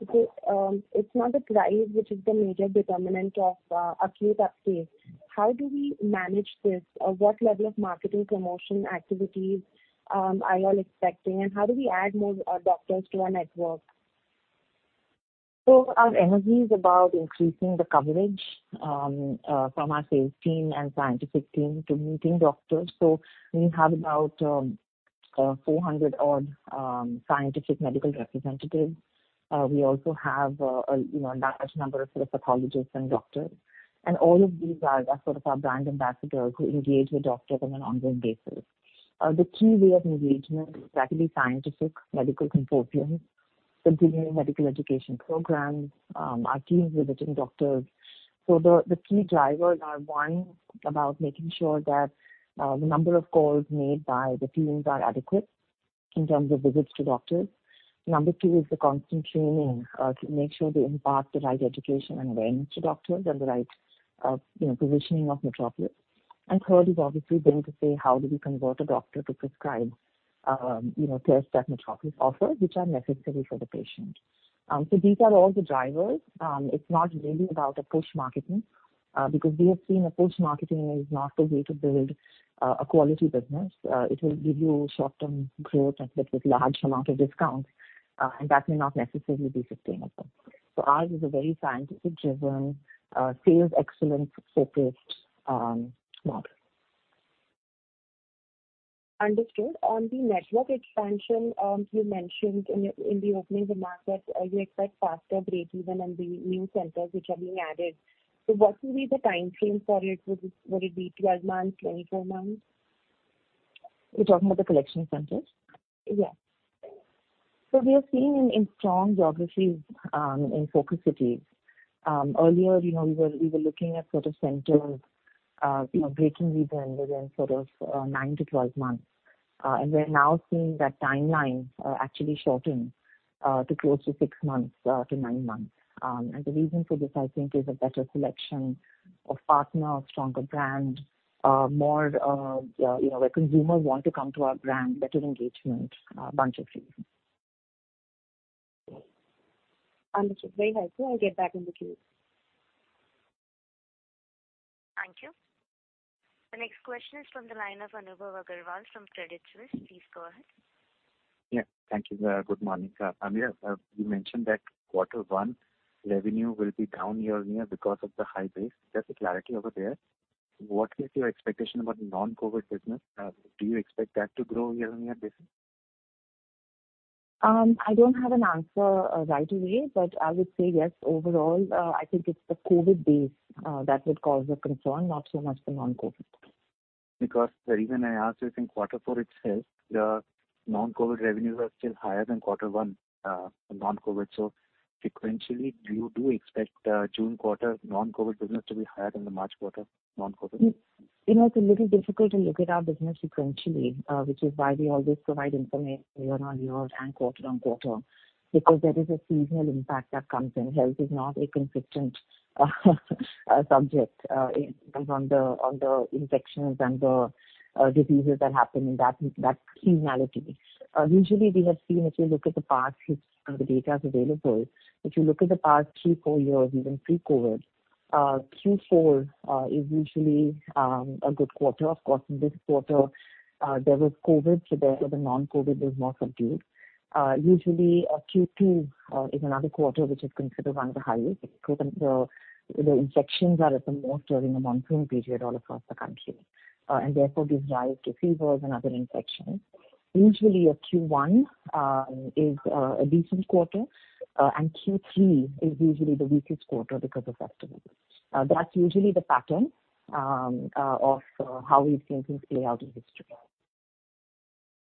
because it's not the price which is the major determinant of acute uptake. How do we manage this? Or what level of marketing promotion activities are you all expecting? How do we add more doctors to our network? Our energy is about increasing the coverage from our sales team and scientific team to meeting doctors. We have about 400 odd scientific medical representatives. We also have, you know, a large number of sort of pathologists and doctors. All of these are sort of our brand ambassadors who engage with doctors on an ongoing basis. The key way of engagement is actually scientific medical consortiums, continuing medical education programs, our teams visiting doctors. The key drivers are, one, about making sure that the number of calls made by the teams are adequate in terms of visits to doctors. Number two is the constant training to make sure they impart the right education and awareness to doctors and the right, you know, positioning of Metropolis. Third is obviously going to say how do we convert a doctor to prescribe, you know, tests that Metropolis offer which are necessary for the patient. These are all the drivers. It's not really about a push marketing, because we have seen a push marketing is not the way to build a quality business. It will give you short-term growth and with large amount of discounts, and that may not necessarily be sustainable. Ours is a very scientific-driven, sales excellence-focused, model. Understood. On the network expansion, you mentioned in the opening remarks that you expect faster breakeven on the new centers which are being added. What will be the timeframe for it? Would it be 12 months, 24 months? You're talking about the collection centers? Yes. We are seeing in strong geographies, in focus cities. Earlier, you know, we were looking at sort of centers, you know, breaking even within sort of 9-12 months. We're now seeing that timelines are actually shortening to close to 6 months to 9 months. The reason for this, I think, is a better selection of partner, stronger brand, more, you know, where consumers want to come to our brand, better engagement, a bunch of reasons. Understood. Very helpful. I'll get back in the queue. Thank you. The next question is from the line of Anubhav Agarwal from Credit Suisse. Please go ahead. Yeah. Thank you. Good morning. Ameera, you mentioned that quarter one revenue will be down year-on-year because of the high base. Just for clarity there. What is your expectation about non-COVID business? Do you expect that to grow year-on-year basis? I don't have an answer right away, but I would say yes, overall, I think it's the COVID base that would cause a concern, not so much the non-COVID business. Because the reason I ask is in quarter four itself, the non-COVID revenues are still higher than quarter one, non-COVID. Sequentially, do you expect June quarter non-COVID business to be higher than the March quarter non-COVID business? You know, it's a little difficult to look at our business sequentially, which is why we always provide information year-on-year and quarter-on-quarter. There is a seasonal impact that comes in. Health is not a consistent subject, based on the infections and the diseases that happen in that seasonality. Usually we have seen if you look at the past which the data is available. If you look at the past 3-4 years, even pre-COVID, Q4 is usually a good quarter. Of course, in this quarter, there was COVID, so therefore the non-COVID was more subdued. Usually, Q2 is another quarter which is considered one of the highest because the infections are at the most during the monsoon period all across the country. Therefore gives rise to fevers and other infections. Usually a Q1 is a decent quarter. Q3 is usually the weakest quarter because of festivals. That's usually the pattern of how we've seen things play out in history.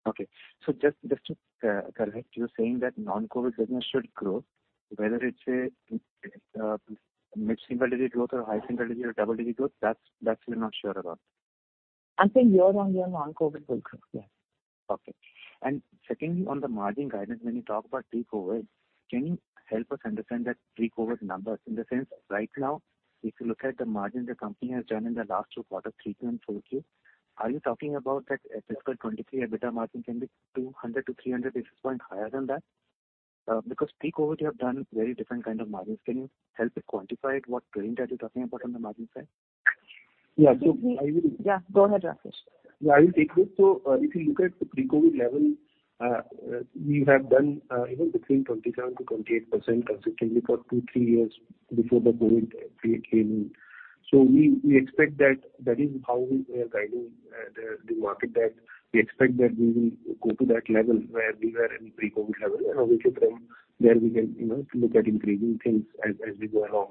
Okay. Just to correct, you're saying that non-COVID business should grow, whether it's a mid-single digit growth or high single digit or double digit growth, that's you're not sure about. I'm saying year-on-year non-COVID will grow. Yes. Okay. Secondly, on the margin guidance, when you talk about pre-COVID, can you help us understand that pre-COVID numbers? In the sense right now, if you look at the margin the company has done in the last two quarters, 3Q and 4Q. Are you talking about that fiscal 2023 EBITDA margin can be 200-300 basis points higher than that? Because pre-COVID you have done very different kind of margins. Can you help us quantify it, what trend are you talking about on the margin side? Yeah. I will Yeah. Go ahead, Rakesh. Yeah, I will take this. If you look at the pre-COVID level, we have done, you know, between 27%-28% consistently for 2-3 years before the COVID period came in. We expect that that is how we are guiding the market, that we expect that we will go to that level where we were in pre-COVID level. You know, we could from there we can, you know, look at increasing things as we go along.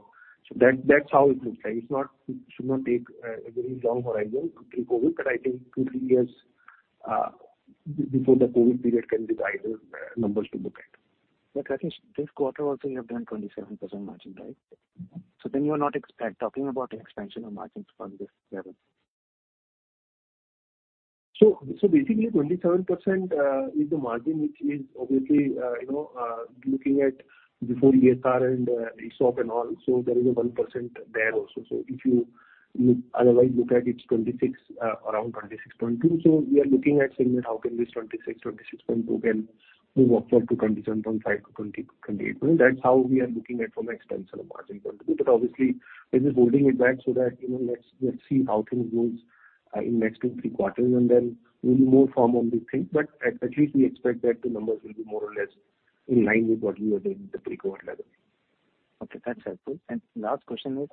That, that's how it looks like. It's not. It should not take a very long horizon to pre-COVID, but I think 2-3 years before the COVID period can be the ideal numbers to look at. Rakesh, this quarter also you have done 27% margin, right? Mm-hmm. You are not talking about an expansion of margins from this level. Basically 27% is the margin which is obviously, you know, looking at before CSR and ESOP and all. There is a 1% there also. If you look otherwise, it's 26, around 26.2%. We are looking at saying that how can this 26.2% move upward to 27.5%-28%. That's how we are looking at from expansion of margin point of view. Obviously this is holding it back so that, you know, let's see how things goes in next 2-3 quarters, and then we'll move forward on this thing. At least we expect that the numbers will be more or less in line with what we were doing pre-COVID level. Okay, that's helpful. Last question is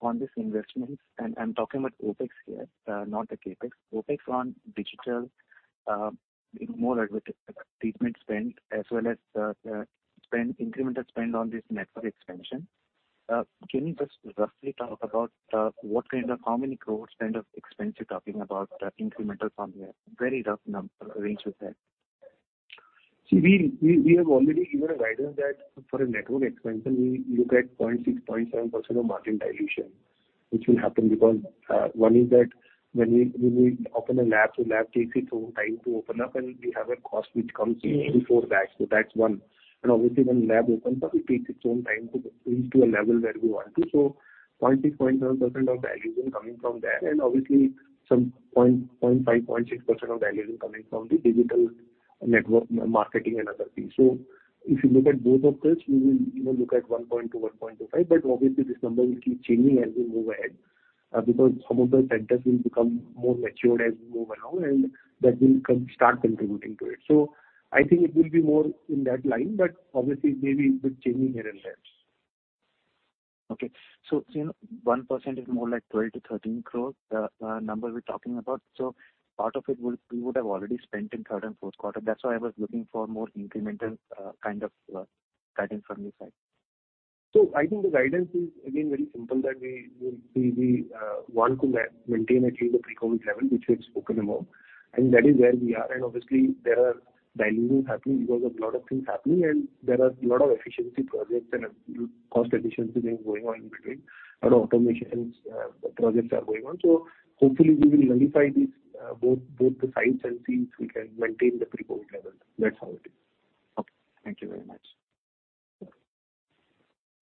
on this investments, and I'm talking about OpEx here, not the CapEx. OpEx on digital, you know, more treatment spend as well as incremental spend on this network expansion. Can you just roughly talk about what kind of how many crores kind of expense you're talking about, incremental from here? Very rough number, range is there. See, we have already given a guidance that for a network expansion we look at 0.6%-0.7% of margin dilution, which will happen because one is that when we open a lab takes its own time to open up, and we have a cost which comes in before that. That's one. Obviously when lab opens up, it takes its own time to reach to a level where we want to. Point six, point seven percent of dilution coming from there. Obviously some point five, point six percent of dilution coming from the digital network marketing and other things. If you look at both of this, we will, you know, look at 1.2%-1.25%. Obviously this number will keep changing as we move ahead, because some of the centers will become more matured as we move along, and that will start contributing to it. I think it will be more in that line, but obviously maybe with changing here and there. Okay. You know, 1% is more like 12-13 crore, the number we're talking about. Part of it we would have already spent in third and fourth quarter. That's why I was looking for more incremental, kind of, guidance from your side. I think the guidance is again very simple that we want to maintain at least the pre-COVID level, which we've spoken about, and that is where we are. Obviously there are dilutions happening because of a lot of things happening, and there are a lot of efficiency projects and cost efficiency things going on in between and automation projects are going on. Hopefully we will nullify these both sides and things, we can maintain the pre-COVID level. That's how it is. Okay. Thank you very much.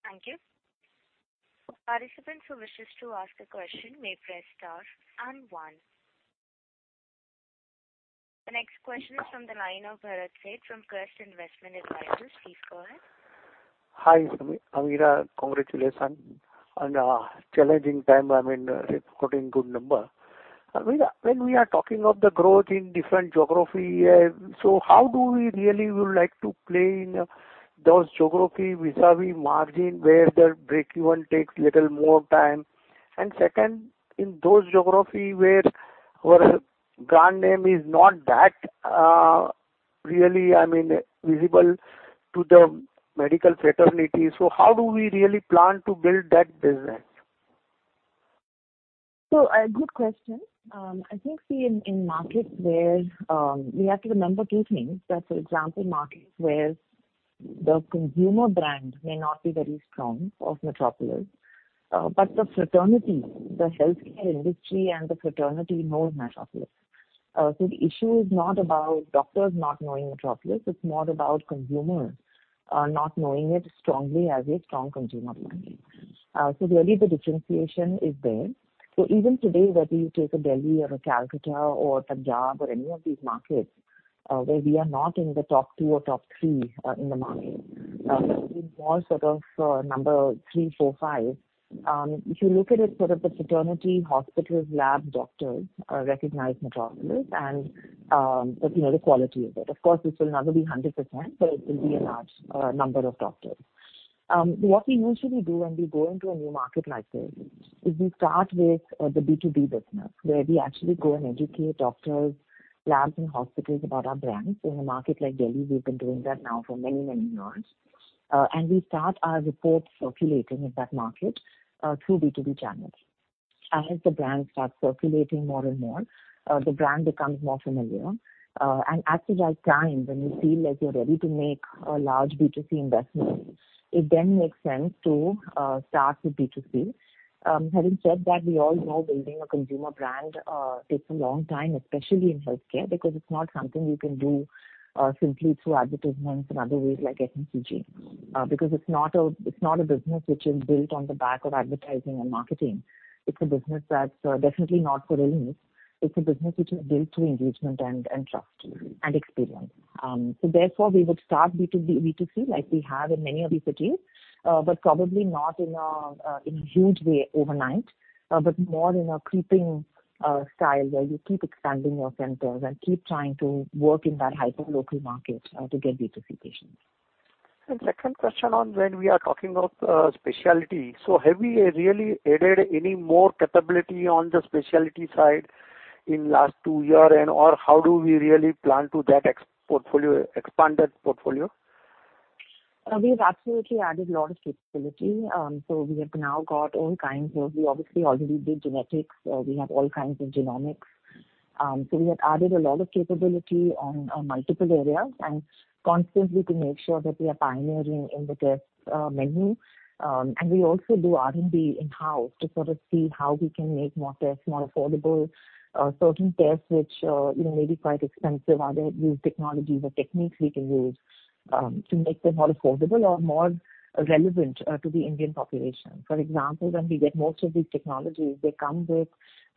Thank you. Participants who wish to ask a question may press star and one. The next question is from the line of Bharat Sheth from Quest Investment Advisors. Please go ahead. Hi, Ameera, congratulations on a challenging time, I mean, reporting good number. Ameera, when we are talking of the growth in different geography, how do we really would like to play in those geography vis-à-vis margin where the break even takes little more time? Second, in those geography where our brand name is not that, really, I mean, visible to the medical fraternity. How do we really plan to build that business? A good question. I think in markets where we have to remember two things. That, for example, markets where the consumer brand may not be very strong of Metropolis, but the fraternity, the healthcare industry and the fraternity know Metropolis. The issue is not about doctors not knowing Metropolis, it's more about consumers not knowing it strongly as a strong consumer brand. Really the differentiation is there. Even today, whether you take a Delhi or a Calcutta or Punjab or any of these markets, where we are not in the top two or top three in the market. We are more sort of number three, four, five. If you look at it, sort of the fraternity hospitals, lab doctors recognize Metropolis and you know, the quality of it. Of course, this will never be 100%, but it will be a large number of doctors. What we usually do when we go into a new market like Delhi is we start with the B2B business, where we actually go and educate doctors, labs and hospitals about our brand. In a market like Delhi, we've been doing that now for many, many months. We start our reports circulating in that market through B2B channels. As the brand starts circulating more and more, the brand becomes more familiar. At the right time when you feel like you're ready to make a large B2C investment, it then makes sense to start with B2C. Having said that, we all know building a consumer brand takes a long time, especially in healthcare, because it's not something you can do simply through advertisements and other ways like FMCG. Because it's not a business which is built on the back of advertising and marketing. It's a business that's definitely not for illness. It's a business which is built through engagement and trust and experience. Therefore we would start B2B, B2C like we have in many of these cities, but probably not in a huge way overnight. More in a creeping style where you keep expanding your centers and keep trying to work in that hyperlocal market to get B2C patients. Second question on when we are talking of specialty. Have we really added any more capability on the specialty side in last 2 years or how do we really plan to expand that portfolio? We've absolutely added a lot of capability. We have now got all kinds of. We obviously already did genetics. We have all kinds of genomics. We have added a lot of capability on multiple areas and constantly to make sure that we are pioneering in the test menu. We also do R&D in-house to sort of see how we can make more tests more affordable. Certain tests which, you know, may be quite expensive. Are there new technologies or techniques we can use to make them more affordable or more relevant to the Indian population? For example, when we get most of these technologies, they come with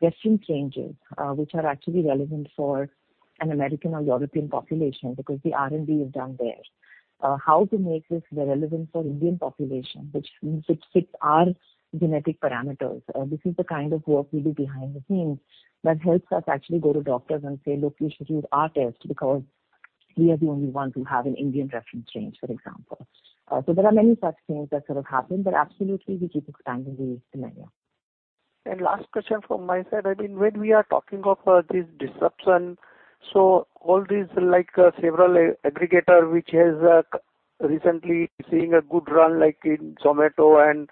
reference ranges, which are actually relevant for an American or European population because the R&D is done there. How to make this relevant for Indian population, which fits our genetic parameters. This is the kind of work we do behind the scenes that helps us actually go to doctors and say, "Look, you should use our test because we are the only ones who have an Indian reference range," for example. So there are many such things that sort of happen, but absolutely we keep expanding the menu. Last question from my side. I mean, when we are talking of this disruption. All these like several aggregator which has recently seeing a good run like in Zomato and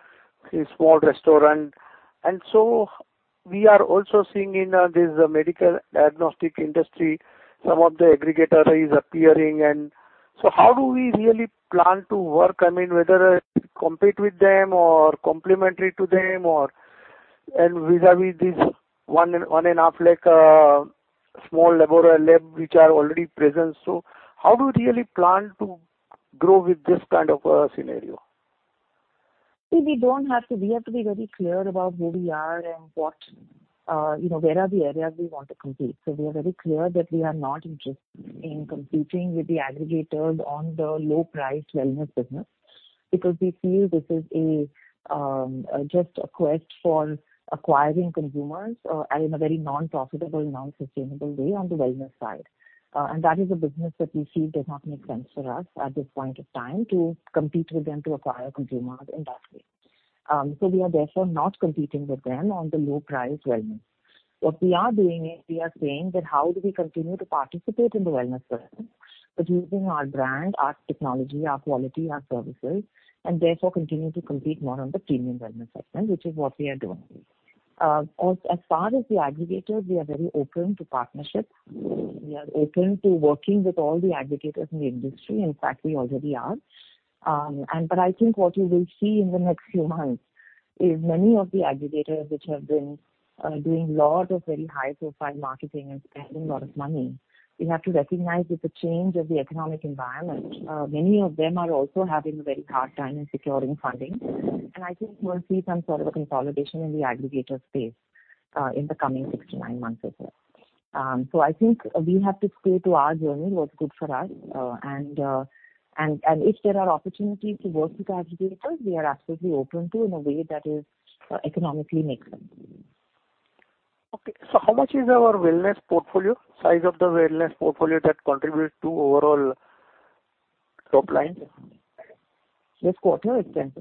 in Swiggy. We are also seeing in this medical diagnostic industry, some of the aggregator is appearing. How do we really plan to work? I mean, whether compete with them or complementary to them. Vis-à-vis this one and a half lakh small labs which are already present. How do you really plan to grow with this kind of a scenario? We don't have to. We have to be very clear about who we are and what where are the areas we want to compete. We are very clear that we are not interested in competing with the aggregators on the low price wellness business. Because we feel this is a just a quest for acquiring consumers and in a very non-profitable, non-sustainable way on the wellness side. That is a business that we feel does not make sense for us at this point of time to compete with them to acquire consumers in that way. We are therefore not competing with them on the low price wellness. What we are doing is we are saying that how do we continue to participate in the wellness segment, but using our brand, our technology, our quality, our services, and therefore continue to compete more on the premium wellness segment, which is what we are doing. As far as the aggregators, we are very open to partnerships. We are open to working with all the aggregators in the industry. In fact, we already are. I think what you will see in the next few months is many of the aggregators which have been doing a lot of very high-profile marketing and spending a lot of money. We have to recognize with the change of the economic environment, many of them are also having a very hard time in securing funding. I think we'll see some sort of a consolidation in the aggregator space in the coming 6-9 months as well. I think we have to stick to our journey, what's good for us. If there are opportunities to work with the aggregators, we are absolutely open to in a way that economically makes sense. Okay. How much is our wellness portfolio? Size of the wellness portfolio that contributes to overall- Top line. This quarter is 10%.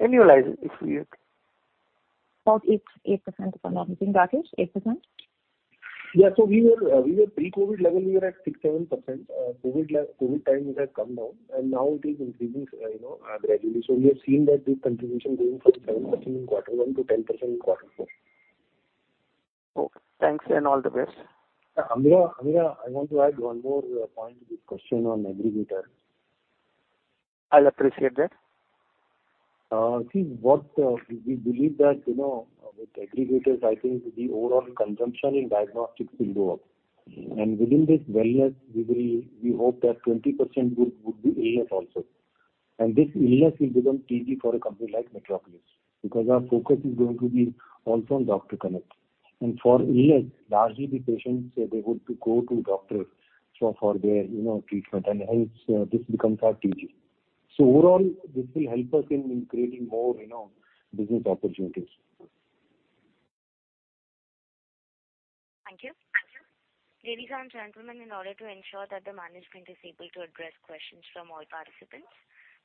Annualized, if we. About 8%, if I'm not mistaken. Rakesh, 8%? We were pre-COVID level at 6%-7%. COVID time it had come down, and now it is increasing, you know, gradually. We are seeing that this contribution going from 7% in quarter one to 10% in quarter four. Okay. Thanks and all the best. Yeah. Ameera, I want to add one more point to this question on aggregator. I'll appreciate that. I think what we believe that, you know, with aggregators, I think the overall consumption in diagnostics will go up. Within this wellness, we hope that 20% would be illness also. This illness will become easy for a company like Metropolis because our focus is going to be also on doctor connect. For illness, largely the patients, they want to go to a doctor for their, you know, treatment and this becomes our TG. Overall, this will help us in creating more, you know, business opportunities. Thank you. Ladies and gentlemen, in order to ensure that the management is able to address questions from all participants,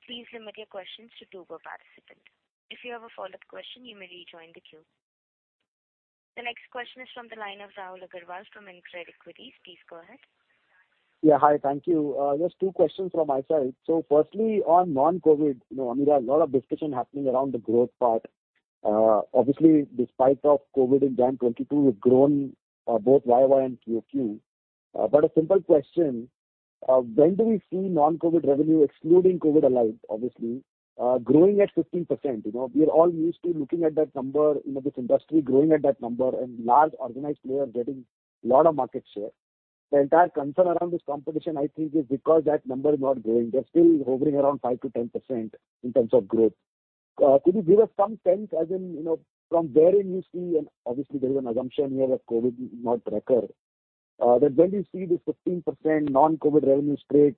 please limit your questions to two per participant. If you have a follow-up question, you may rejoin the queue. The next question is from the line of Rahul Agrawal from InCred Equities. Please go ahead. Yeah. Hi. Thank you. Just two questions from my side. Firstly, on non-COVID, you know, Ameera, a lot of discussion happening around the growth part. Obviously despite COVID in January 2022, we've grown both YOY and QOQ. But a simple question, when do we see non-COVID revenue excluding COVID albeit, obviously, growing at 15%? You know, we are all used to looking at that number, you know, this industry growing at that number and large organized players getting a lot of market share. The entire concern around this competition I think is because that number is not growing. They're still hovering around 5%-10% in terms of growth. Could you give us some sense as in, you know, from wherein you see, and obviously there is an assumption here that COVID will not recur, that when do you see this 15% non-COVID revenue stream,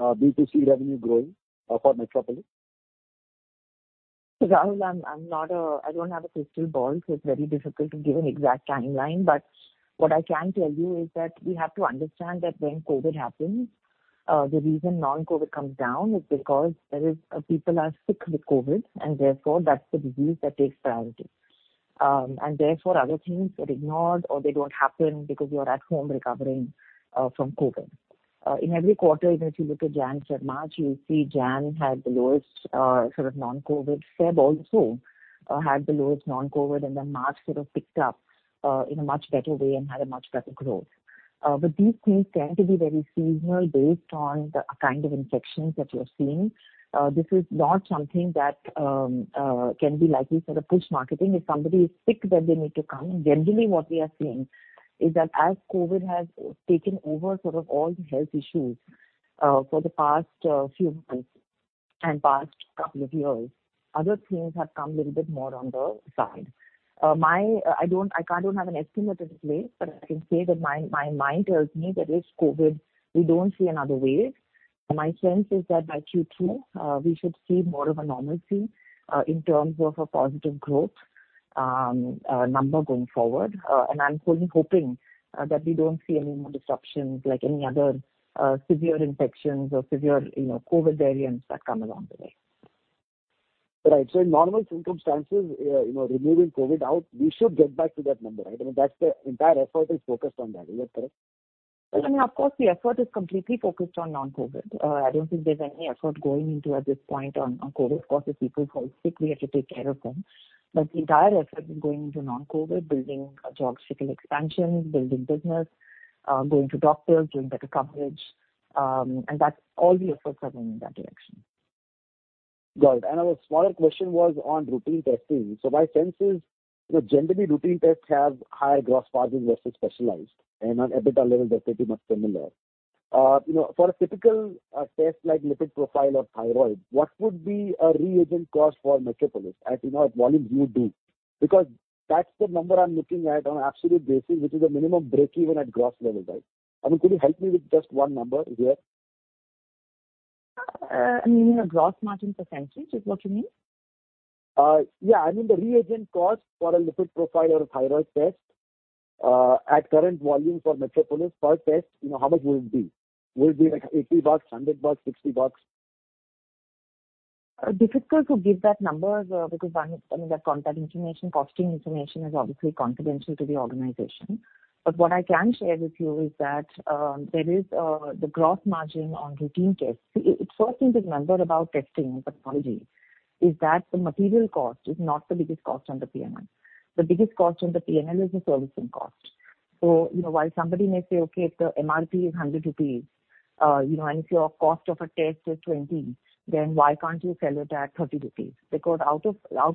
B2C revenue growing, for Metropolis? Rahul, I don't have a crystal ball, so it's very difficult to give an exact timeline. What I can tell you is that we have to understand that when COVID happens, the reason non-COVID comes down is because there are people sick with COVID and therefore that's the disease that takes priority. Therefore other things get ignored or they don't happen because you are at home recovering from COVID. In every quarter, even if you look at Jan to March, you'll see Jan had the lowest sort of non-COVID. Feb also had the lowest non-COVID and then March sort of picked up in a much better way and had a much better growth. These things tend to be very seasonal based on the kind of infections that you're seeing. This is not something that can be likely sort of push marketing. If somebody is sick, then they need to come. Generally what we are seeing is that as COVID has taken over sort of all the health issues for the past few months and past couple of years, other things have come little bit more on the side. I don't have an estimate as of late, but I can say that my mind tells me that if COVID we don't see another wave, my sense is that by Q2 we should see more of a normalcy in terms of a positive growth number going forward. I'm fully hoping that we don't see any more disruptions like any other severe infections or severe, you know, COVID variants that come along the way. Right. In normal circumstances, you know, removing COVID out, we should get back to that number, right? I mean, that's the entire effort is focused on that. Is that correct? I mean, of course, the effort is completely focused on non-COVID. I don't think there's any effort going into at this point on COVID. Of course, if people fall sick, we have to take care of them. The entire effort is going into non-COVID, building geographical expansions, building business, going to doctors, doing better coverage. That's all the efforts are going in that direction. Got it. Our smaller question was on routine testing. My sense is, you know, generally routine tests have high gross margins versus specialized, and on EBITDA level they're pretty much similar. You know, for a typical test like lipid profile or thyroid, what would be a reagent cost for Metropolis at, you know, volumes you do? Because that's the number I'm looking at on absolute basis, which is a minimum break even at gross level, right? I mean, could you help me with just one number here? You mean a gross margin percentage is what you mean? Yeah. I mean the reagent cost for a lipid profile or thyroid test, at current volume for Metropolis per test, you know, how much would it be? Would it be like $80, $100, $60? Difficult to give that number, because one, I mean, that confidential information, costing information is obviously confidential to the organization. What I can share with you is that there is the gross margin on routine tests. First thing to remember about testing and pathology is that the material cost is not the biggest cost on the P&L. The biggest cost on the P&L is the servicing cost. You know, while somebody may say, "Okay, if the MRP is 100 rupees, you know, and if your cost of a test is 20, then why can't you sell it at 30 rupees?" Out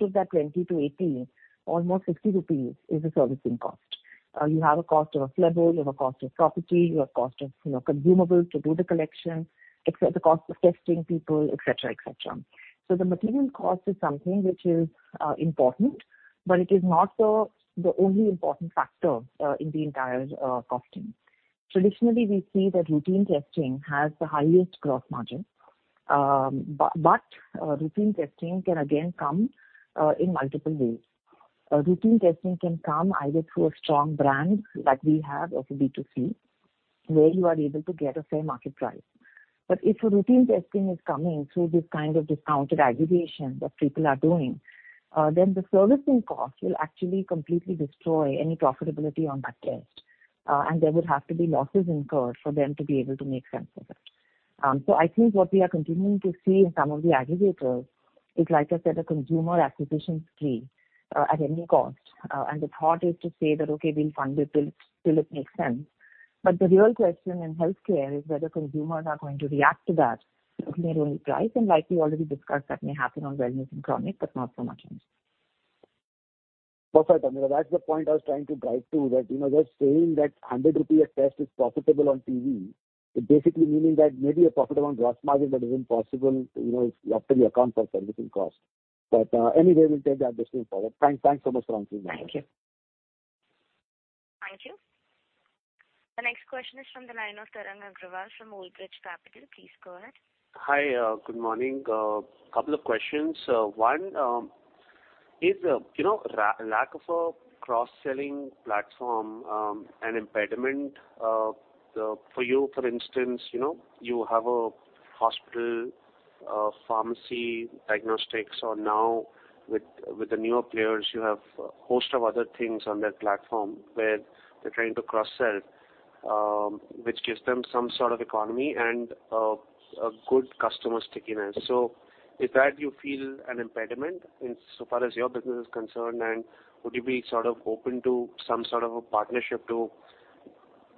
of that 20-80, almost 60 rupees is a servicing cost. You have a cost of a lab rental, you have a cost of property, you have cost of, you know, consumables to do the collection, plus the cost of testing people, et cetera, et cetera. The material cost is something which is important, but it is not the only important factor in the entire costing. Traditionally, we see that routine testing has the highest gross margin. Routine testing can again come in multiple ways. Routine testing can come either through a strong brand like we have of a B2C, where you are able to get a fair market price. If a routine testing is coming through this kind of discounted aggregation that people are doing, then the servicing cost will actually completely destroy any profitability on that test. There would have to be losses incurred for them to be able to make sense of it. I think what we are continuing to see in some of the aggregators is, like I said, a consumer acquisition spree, at any cost. The thought is to say that, okay, we'll fund it till it makes sense. The real question in healthcare is whether consumers are going to react to that if they're only price. Like we already discussed, that may happen on wellness and chronic, but not so much else. Perfect. I mean, that's the point I was trying to drive to. That, you know, they're saying that 100 rupees a test is profitable on TV. Basically meaning that maybe you're profitable on gross margin, but is it possible, you know, after you account for servicing costs? Anyway, we'll take that discussion forward. Thanks so much for answering that. Thank you. Thank you. The next question is from the line of Tarang Agrawal from Old Bridge Capital. Please go ahead. Hi. Good morning. Couple of questions. One, is, you know, lack of a cross-selling platform, an impediment, for you, for instance, you know, you have a hospital, pharmacy diagnostics, or now with the newer players, you have a host of other things on their platform where they're trying to cross-sell, which gives them some sort of economy and, a good customer stickiness. So is that you feel an impediment insofar as your business is concerned? And would you be sort of open to some sort of a partnership to,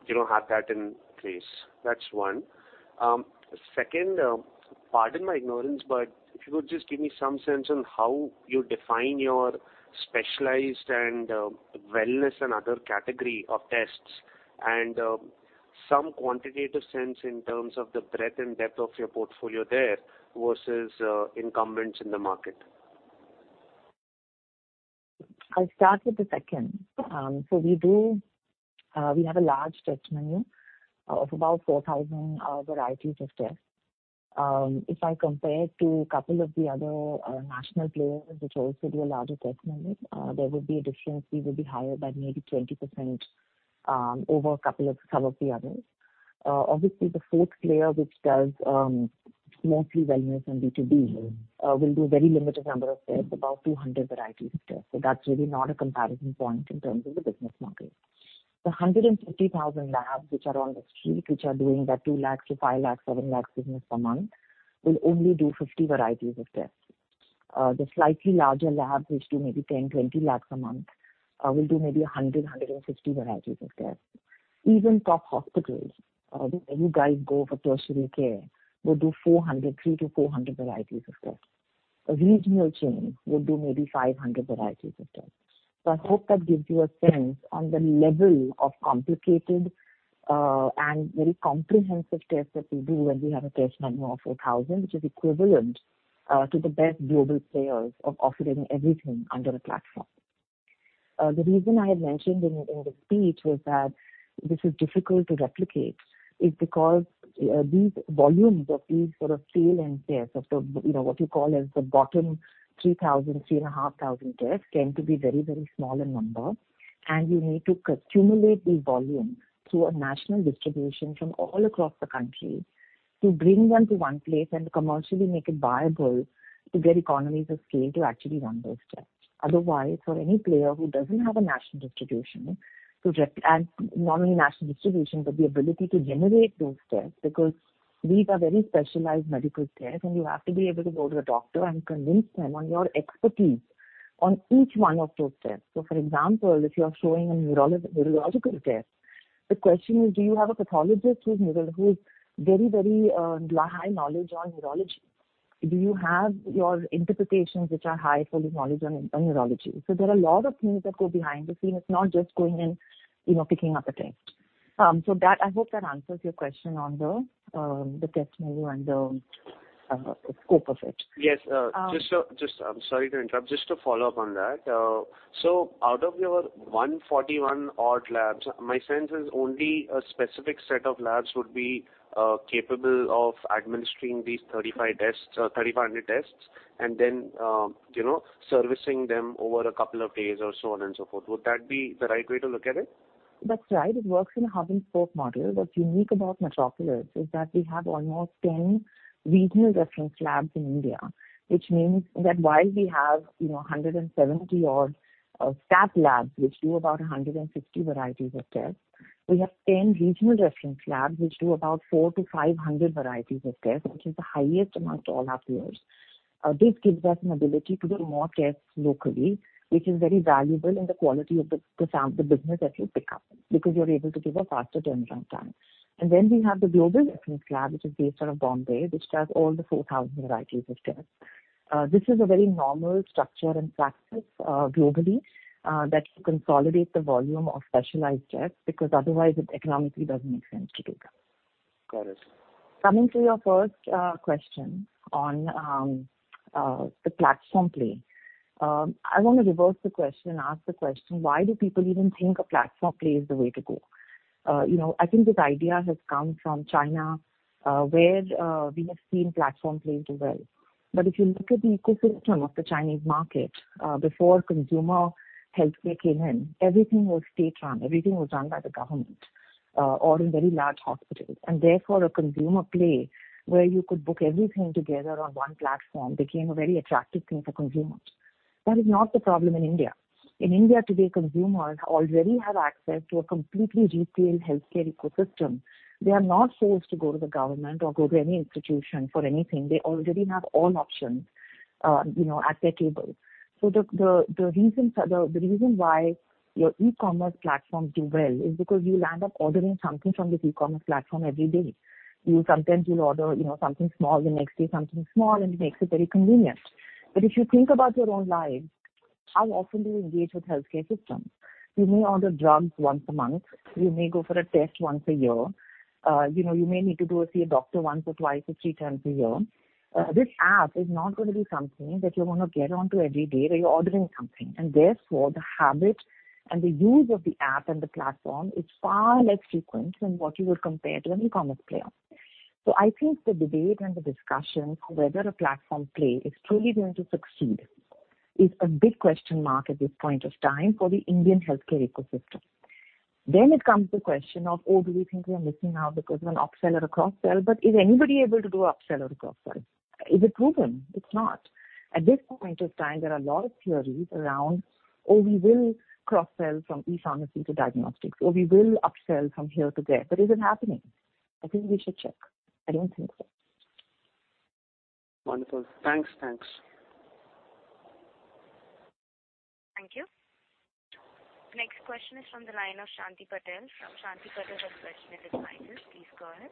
you know, have that in place? That's one. Second, pardon my ignorance, but if you could just give me some sense on how you define your specialized and wellness and other category of tests and some quantitative sense in terms of the breadth and depth of your portfolio there versus incumbents in the market? I'll start with the second. We have a large test menu of about 4,000 varieties of tests. If I compare to a couple of the other national players which also do a larger test menu, there would be a difference. We would be higher by maybe 20% over a couple of some of the others. Obviously the fourth player, which does mostly wellness and B2B, will do a very limited number of tests, about 200 varieties of tests. That's really not a comparison point in terms of the business market. The 150,000 labs which are on the street, which are doing that 2 lakhs to 5 lakhs, 7 lakhs business a month, will only do 50 varieties of tests. The slightly larger labs which do maybe 10-20 lakhs a month will do maybe 160 varieties of tests. Even top hospitals, where you guys go for tertiary care, will do 300-400 varieties of tests. A regional chain will do maybe 500 varieties of tests. I hope that gives you a sense on the level of complicated and very comprehensive tests that we do when we have a test menu of 4,000, which is equivalent to the best global players of offering everything under a platform. The reason I had mentioned in the speech was that this is difficult to replicate is because these volumes of these sort of scale and tests of the, you know, what you call as the bottom 3,000, 3,500 tests tend to be very, very small in number. You need to accumulate these volumes through a national distribution from all across the country to bring them to one place and commercially make it viable to get economies of scale to actually run those tests. Otherwise, for any player who doesn't have a national distribution, not only national distribution, but the ability to generate those tests, because these are very specialized medical tests, and you have to be able to go to a doctor and convince them on your expertise on each one of those tests. For example, if you are showing a neurological test, the question is, do you have a pathologist who's very knowledgeable on neurology? Do you have interpretations which require high knowledge on neurology? There are a lot of things that go behind the scenes. It's not just going and, you know, picking up a test. I hope that answers your question on the test menu and the scope of it. Yes. Just, I'm sorry to interrupt. Just to follow up on that. So out of your 141-odd labs, my sense is only a specific set of labs would be capable of administering these 35 tests, 3,500 tests and then, you know, servicing them over a couple of days or so on and so forth. Would that be the right way to look at it? That's right. It works in a hub-and-spoke model. What's unique about Metropolis is that we have almost 10 regional reference labs in India, which means that while we have, you know, 170-odd staff labs which do about 160 varieties of tests, we have 10 regional reference labs which do about 400-500 varieties of tests, which is the highest among all our peers. This gives us an ability to do more tests locally, which is very valuable in the quality of the business that you pick up, because you're able to give a faster turnaround time. Then we have the global reference lab, which is based out of Bombay, which does all the 4,000 varieties of tests. This is a very normal structure and practice, globally, that you consolidate the volume of specialized tests, because otherwise it economically doesn't make sense to do that. Got it. Coming to your first question on the platform play. I want to reverse the question and ask the question, why do people even think a platform play is the way to go? You know, I think this idea has come from China, where we have seen platform plays do well. If you look at the ecosystem of the Chinese market, before consumer healthcare came in, everything was state-run. Everything was run by the government, or in very large hospitals. Therefore, a consumer play where you could book everything together on one platform became a very attractive thing for consumers. That is not the problem in India. In India today, consumers already have access to a completely retail healthcare ecosystem. They are not forced to go to the government or go to any institution for anything. They already have all options, you know, at their table. The reason why your e-commerce platforms do well is because you'll end up ordering something from this e-commerce platform every day. Sometimes you'll order, you know, something small, the next day something small, and it makes it very convenient. If you think about your own lives, how often do you engage with healthcare systems? You may order drugs once a month. You may go for a test once a year. You know, you may need to go see a doctor once or twice or three times a year. This app is not gonna be something that you're gonna get onto every day where you're ordering something, and therefore the habit and the use of the app and the platform is far less frequent than what you would compare to an e-commerce player. I think the debate and the discussion for whether a platform play is truly going to succeed is a big question mark at this point of time for the Indian healthcare ecosystem. It comes to question of, oh, do we think we are missing out because of an upsell or a cross-sell? Is anybody able to do upsell or a cross-sell? Is it proven? It's not. At this point of time, there are a lot of theories around, "Oh, we will cross-sell from e-pharmacy to diagnostics," or, "We will upsell from here to there." Is it happening? I think we should check. I don't think so. Wonderful. Thanks. Thanks. Thank you. Next question is from the line of Sayantan Maji from Credit Suisse. Please go ahead.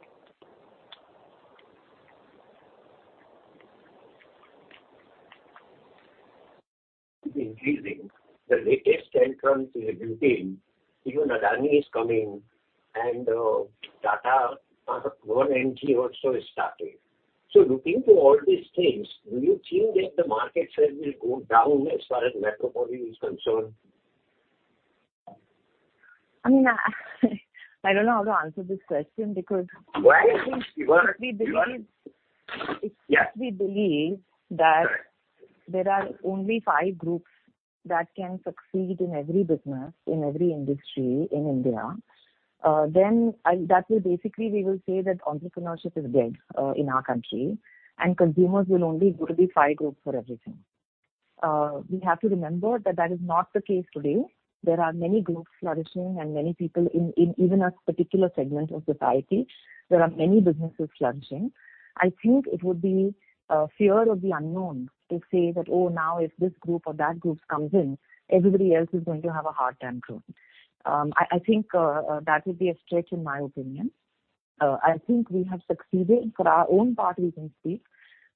Increasing. The latest entrant is Apollo. Even Adani is coming and, Tata 1mg also is starting. Looking to all these things, do you think that the market share will go down as far as Metropolis is concerned? I mean, I don't know how to answer this question because. Why? If we believe. Yeah. If we believe that there are only five groups that can succeed in every business, in every industry in India, that will basically we will say that entrepreneurship is dead in our country and consumers will only go to the five groups for everything. We have to remember that is not the case today. There are many groups flourishing and many people in even a particular segment of society, there are many businesses flourishing. I think it would be fear of the unknown to say that, "Oh, now if this group or that group comes in, everybody else is going to have a hard time growing." I think that would be a stretch in my opinion. I think we have succeeded. For our own part we can speak.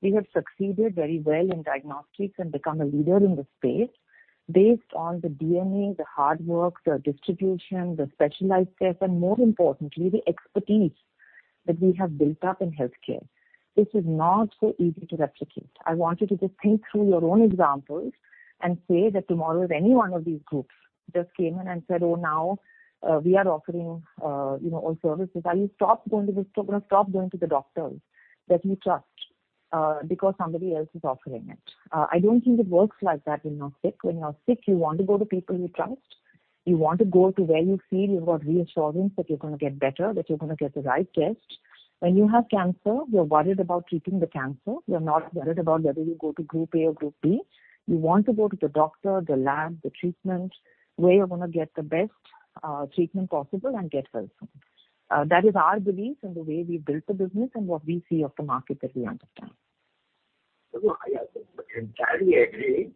We have succeeded very well in diagnostics and become a leader in the space based on the DNA, the hard work, the distribution, the specialized care, and more importantly, the expertise that we have built up in healthcare. This is not so easy to replicate. I want you to just think through your own examples and say that tomorrow if any one of these groups just came in and said, "Oh, now, we are offering, you know, all services." Are you gonna stop going to the doctors that you trust, because somebody else is offering it? I don't think it works like that when you're sick. When you're sick you want to go to people you trust. You want to go to where you feel you've got reassurance that you're gonna get better, that you're gonna get the right test. When you have cancer, you're worried about treating the cancer. You're not worried about whether you go to group A or group B. You want to go to the doctor, the lab, the treatment where you're gonna get the best treatment possible and get well soon. That is our belief and the way we've built the business and what we see of the market that we understand. No, I entirely agree.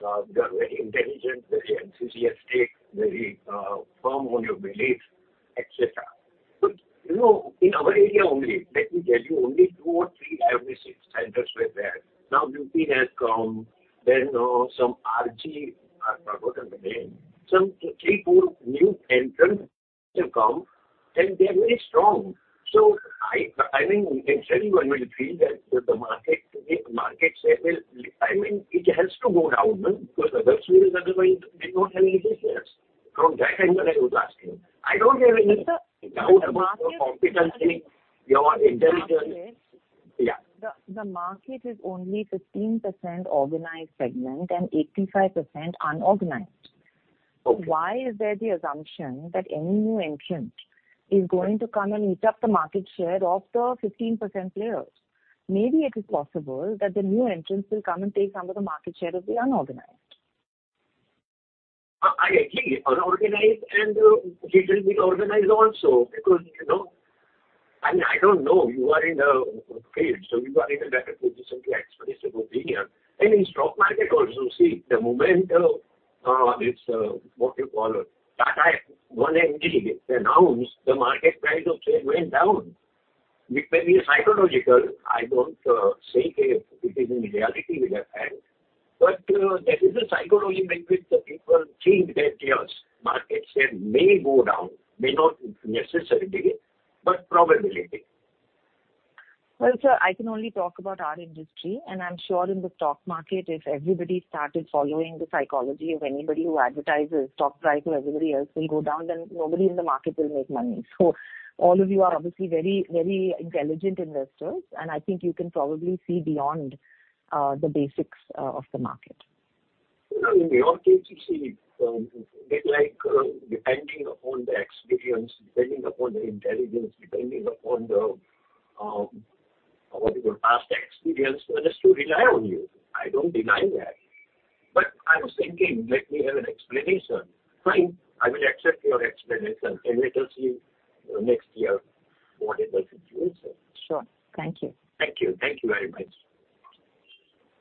You are very intelligent, very enthusiastic, very firm on your beliefs, et cetera. You know, in our area only, let me tell you, only two or three IVF centers were there. Now BT has come. Then some RG, I forgot the name. Some three, four new entrants have come and they're very strong. I mean, naturally one will feel that the market share will go down, no? Because otherwise they don't have any business. From that angle I was asking. I don't have any doubt about your competency, your intelligence. The market. Yeah. The market is only 15% organized segment and 85% unorganized. Why is there the assumption that any new entrant is going to come and eat up the market share of the 15% players? Maybe it is possible that the new entrants will come and take some of the market share of the unorganized. I agree. Unorganized and it will be organized also because, you know, I mean, I don't know. You are in the field, so you are in a better position to express your opinion. In stock market also, see the moment, this, what you call it, Tata 1mg announced, the market price of share went down. It may be psychological. I don't say that it is in reality with a fact. There is a psychology with which the people think that, yes, market share may go down. May not necessarily, but probability. Well, sir, I can only talk about our industry, and I'm sure in the stock market, if everybody started following the psychology of anybody who advertises stock price or everybody else will go down, then nobody in the market will make money. All of you are obviously very, very intelligent investors, and I think you can probably see beyond the basics of the market. No, in your case, you see, a bit like, depending upon the experience, depending upon the intelligence, depending upon the, what you call, past experience for us to rely on you. I don't deny that. I was thinking, let me have an explanation. Fine. I will accept your explanation, and let us see next year what it does. Sure. Thank you. Thank you. Thank you very much.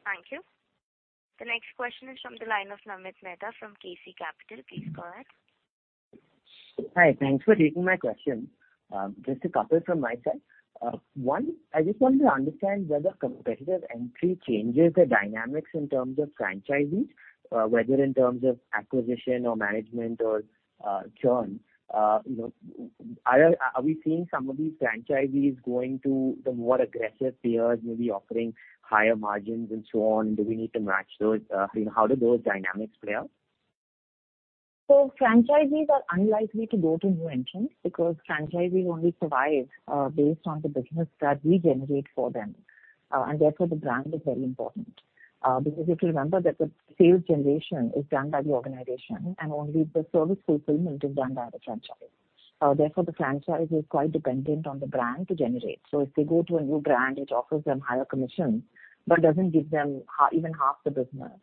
Thank you. The next question is from the line of Namit Mehta from KC Capital. Please go ahead. Hi. Thanks for taking my question. Just a couple from my side. One, I just wanted to understand whether competitive entry changes the dynamics in terms of franchisees, whether in terms of acquisition or management or, churn. You know, are we seeing some of these franchisees going to the more aggressive peers, maybe offering higher margins and so on? Do we need to match those? You know, how do those dynamics play out? Franchisees are unlikely to go to new entrants because franchisees only survive based on the business that we generate for them. Therefore the brand is very important. Because if you remember that the sales generation is done by the organization and only the service fulfillment is done by the franchisee. Therefore, the franchisee is quite dependent on the brand to generate. If they go to a new brand, which offers them higher commission, but doesn't give them even half the business,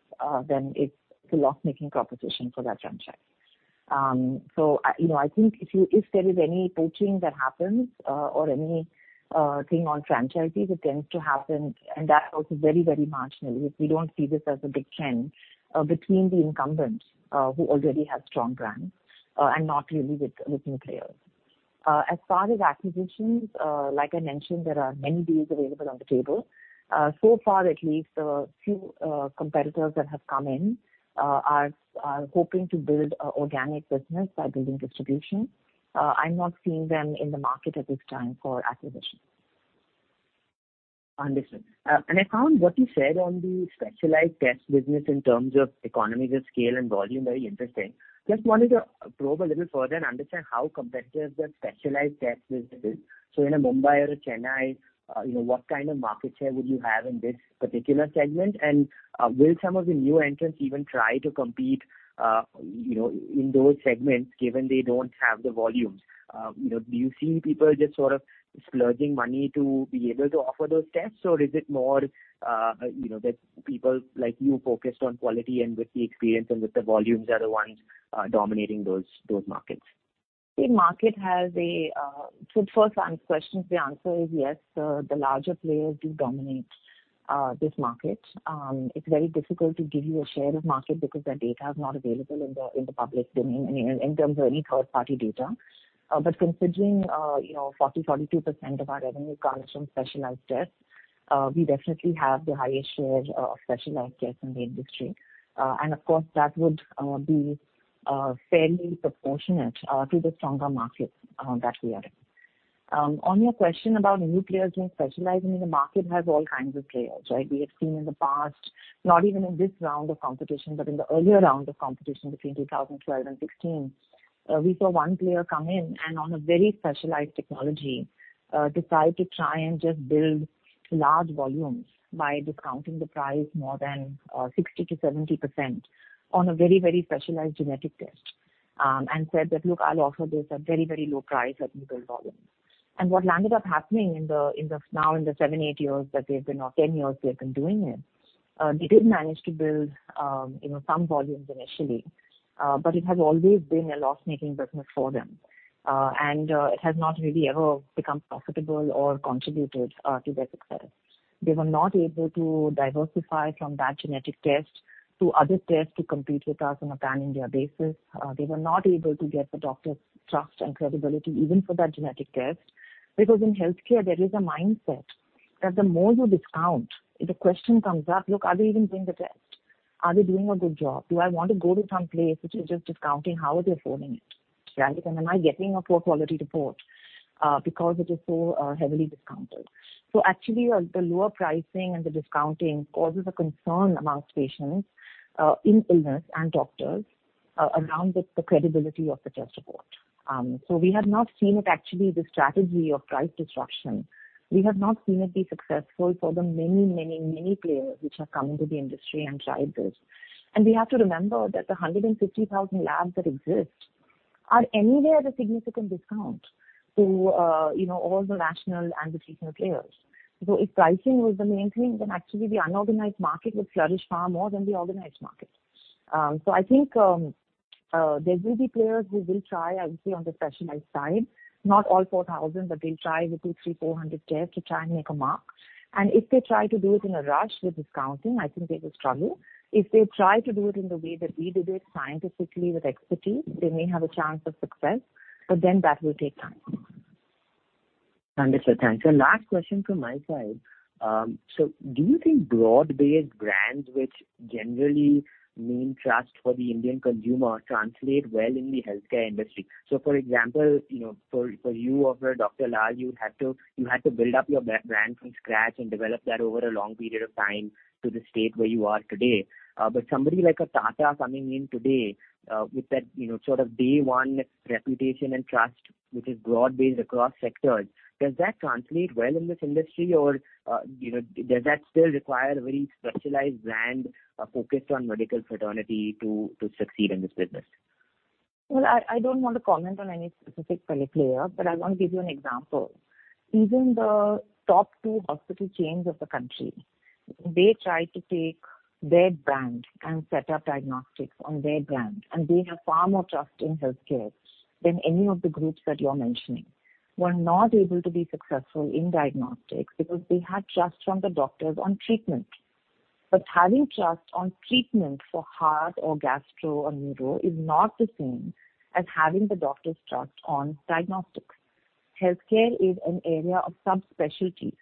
then it's a loss-making proposition for that franchise. You know, I think if there is any poaching that happens, or any thing on franchisees, it tends to happen, and that's also very, very marginal. We don't see this as a big trend between the incumbents who already have strong brands and not really with new players. As far as acquisitions, like I mentioned, there are many deals available on the table. So far, at least a few competitors that have come in are hoping to build organic business by building distribution. I'm not seeing them in the market at this time for acquisitions. Understood. I found what you said on the specialized test business in terms of economies of scale and volume very interesting. Just wanted to probe a little further and understand how competitive that specialized test business is. In a Mumbai or a Chennai, you know, what kind of market share would you have in this particular segment? Will some of the new entrants even try to compete, you know, in those segments, given they don't have the volumes? You know, do you see people just sort of splurging money to be able to offer those tests, or is it more, you know, that people like you focused on quality and with the experience and with the volumes are the ones dominating those markets? First on questions, the answer is yes. The larger players do dominate this market. It's very difficult to give you a share of market because that data is not available in the public domain, in terms of any third-party data. But considering you know, 42% of our revenue comes from specialized tests, we definitely have the highest share of specialized tests in the industry. And of course, that would be fairly proportionate to the stronger markets that we are in. On your question about new players being specialized, I mean, the market has all kinds of players, right? We have seen in the past, not even in this round of competition, but in the earlier round of competition between 2012 and 2016, we saw one player come in and on a very specialized technology, decide to try and just build large volumes by discounting the price more than 60%-70% on a very, very specialized genetic test, and said that, "Look, I'll offer this at very, very low price. Let me build volumes." What landed up happening in the now in the 7, 8 years that they've been or 10 years they've been doing it, they did manage to build you know some volumes initially. It has always been a loss-making business for them. It has not really ever become profitable or contributed to their success. They were not able to diversify from that genetic test to other tests to compete with us on a pan-India basis. They were not able to get the doctor's trust and credibility even for that genetic test. Because in healthcare, there is a mindset that the more you discount, the question comes up, look, are they even doing the test? Are they doing a good job? Do I want to go to some place which is just discounting? How are they affording it, right? And am I getting a poor quality report, because it is so heavily discounted? Actually, the lower pricing and the discounting causes a concern amongst patients in illness and doctors around the credibility of the test report. We have not seen it actually the strategy of price disruption. We have not seen it be successful for the many players which have come into the industry and tried this. We have to remember that the 150,000 labs that exist are anywhere at a significant discount to, you know, all the national and the regional players. If pricing was the main thing, then actually the unorganized market would flourish far more than the organized market. I think there will be players who will try, obviously, on the specialized side, not all 4,000, but they'll try with 200, 300, 400 tests to try and make a mark. If they try to do it in a rush with discounting, I think they will struggle. If they try to do it in the way that we do it scientifically with expertise, they may have a chance of success, but then that will take time. Understood. Thanks. Last question from my side. Do you think broad-based brands which generally mean trust for the Indian consumer translate well in the healthcare industry? For example, you know, for you or for Dr. Lal, you had to build up your brand from scratch and develop that over a long period of time to the state where you are today. Somebody like a Tata coming in today, with that, you know, sort of day one reputation and trust, which is broad-based across sectors. Does that translate well in this industry or, you know, does that still require a very specialized brand focused on medical fraternity to succeed in this business? Well, I don't want to comment on any specific player, but I want to give you an example. Even the top two hospital chains of the country, they try to take their brand and set up diagnostics on their brand. And they have far more trust in healthcare than any of the groups that you are mentioning. Were not able to be successful in diagnostics because they had trust from the doctors on treatment. Having trust on treatment for heart or gastro or neuro is not the same as having the doctor's trust on diagnostics. Healthcare is an area of subspecialties.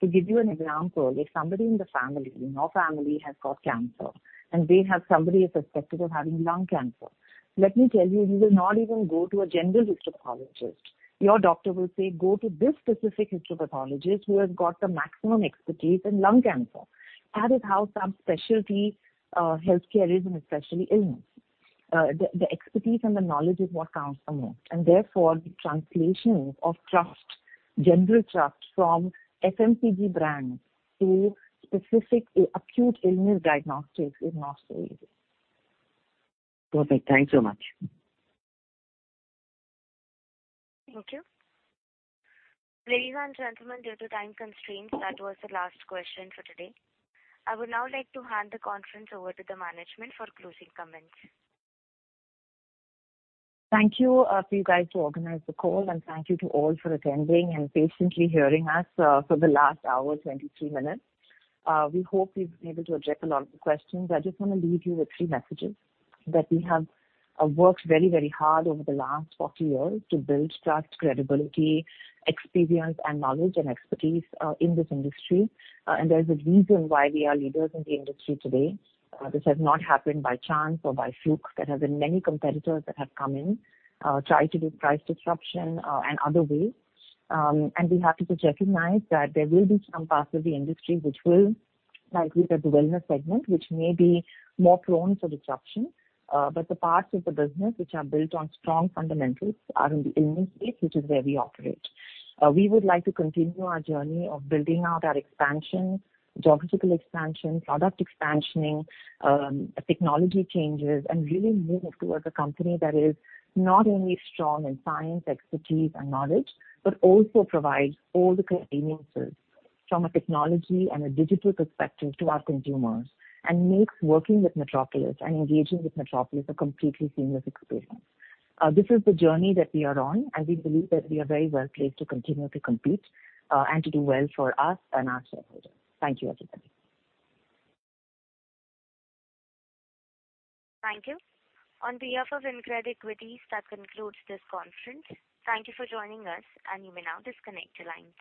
To give you an example, if somebody in the family, in your family has got cancer and they have somebody is suspected of having lung cancer. Let me tell you will not even go to a general histopathologist. Your doctor will say, "Go to this specific histopathologist who has got the maximum expertise in lung cancer." That is how subspecialty healthcare is, and especially illness. The expertise and the knowledge is what counts the most, and therefore the translation of trust, general trust from FMCG brands to specific acute illness diagnostics is not so easy. Perfect. Thanks so much. Thank you. Ladies and gentlemen, due to time constraints, that was the last question for today. I would now like to hand the conference over to the management for closing comments. Thank you for you guys to organize the call and thank you to all for attending and patiently hearing us for the last hour, 22 minutes. We hope we've been able to address a lot of the questions. I just wanna leave you with three messages that we have worked very, very hard over the last 40 years to build trust, credibility, experience and knowledge and expertise in this industry. There's a reason why we are leaders in the industry today. This has not happened by chance or by fluke. There have been many competitors that have come in try to do price disruption and other ways. We have to recognize that there will be some parts of the industry which will, like with the wellness segment, which may be more prone to disruption. The parts of the business which are built on strong fundamentals are in the illness space, which is where we operate. We would like to continue our journey of building out our expansion, geographical expansion, product expansion, technology changes, and really moving towards a company that is not only strong in science, expertise and knowledge, but also provides all the conveniences from a technology and a digital perspective to our consumers. Makes working with Metropolis and engaging with Metropolis a completely seamless experience. This is the journey that we are on, and we believe that we are very well placed to continue to compete, and to do well for us and our shareholders. Thank you, everybody. Thank you. On behalf of InCred Equities, that concludes this conference. Thank you for joining us, and you may now disconnect your lines.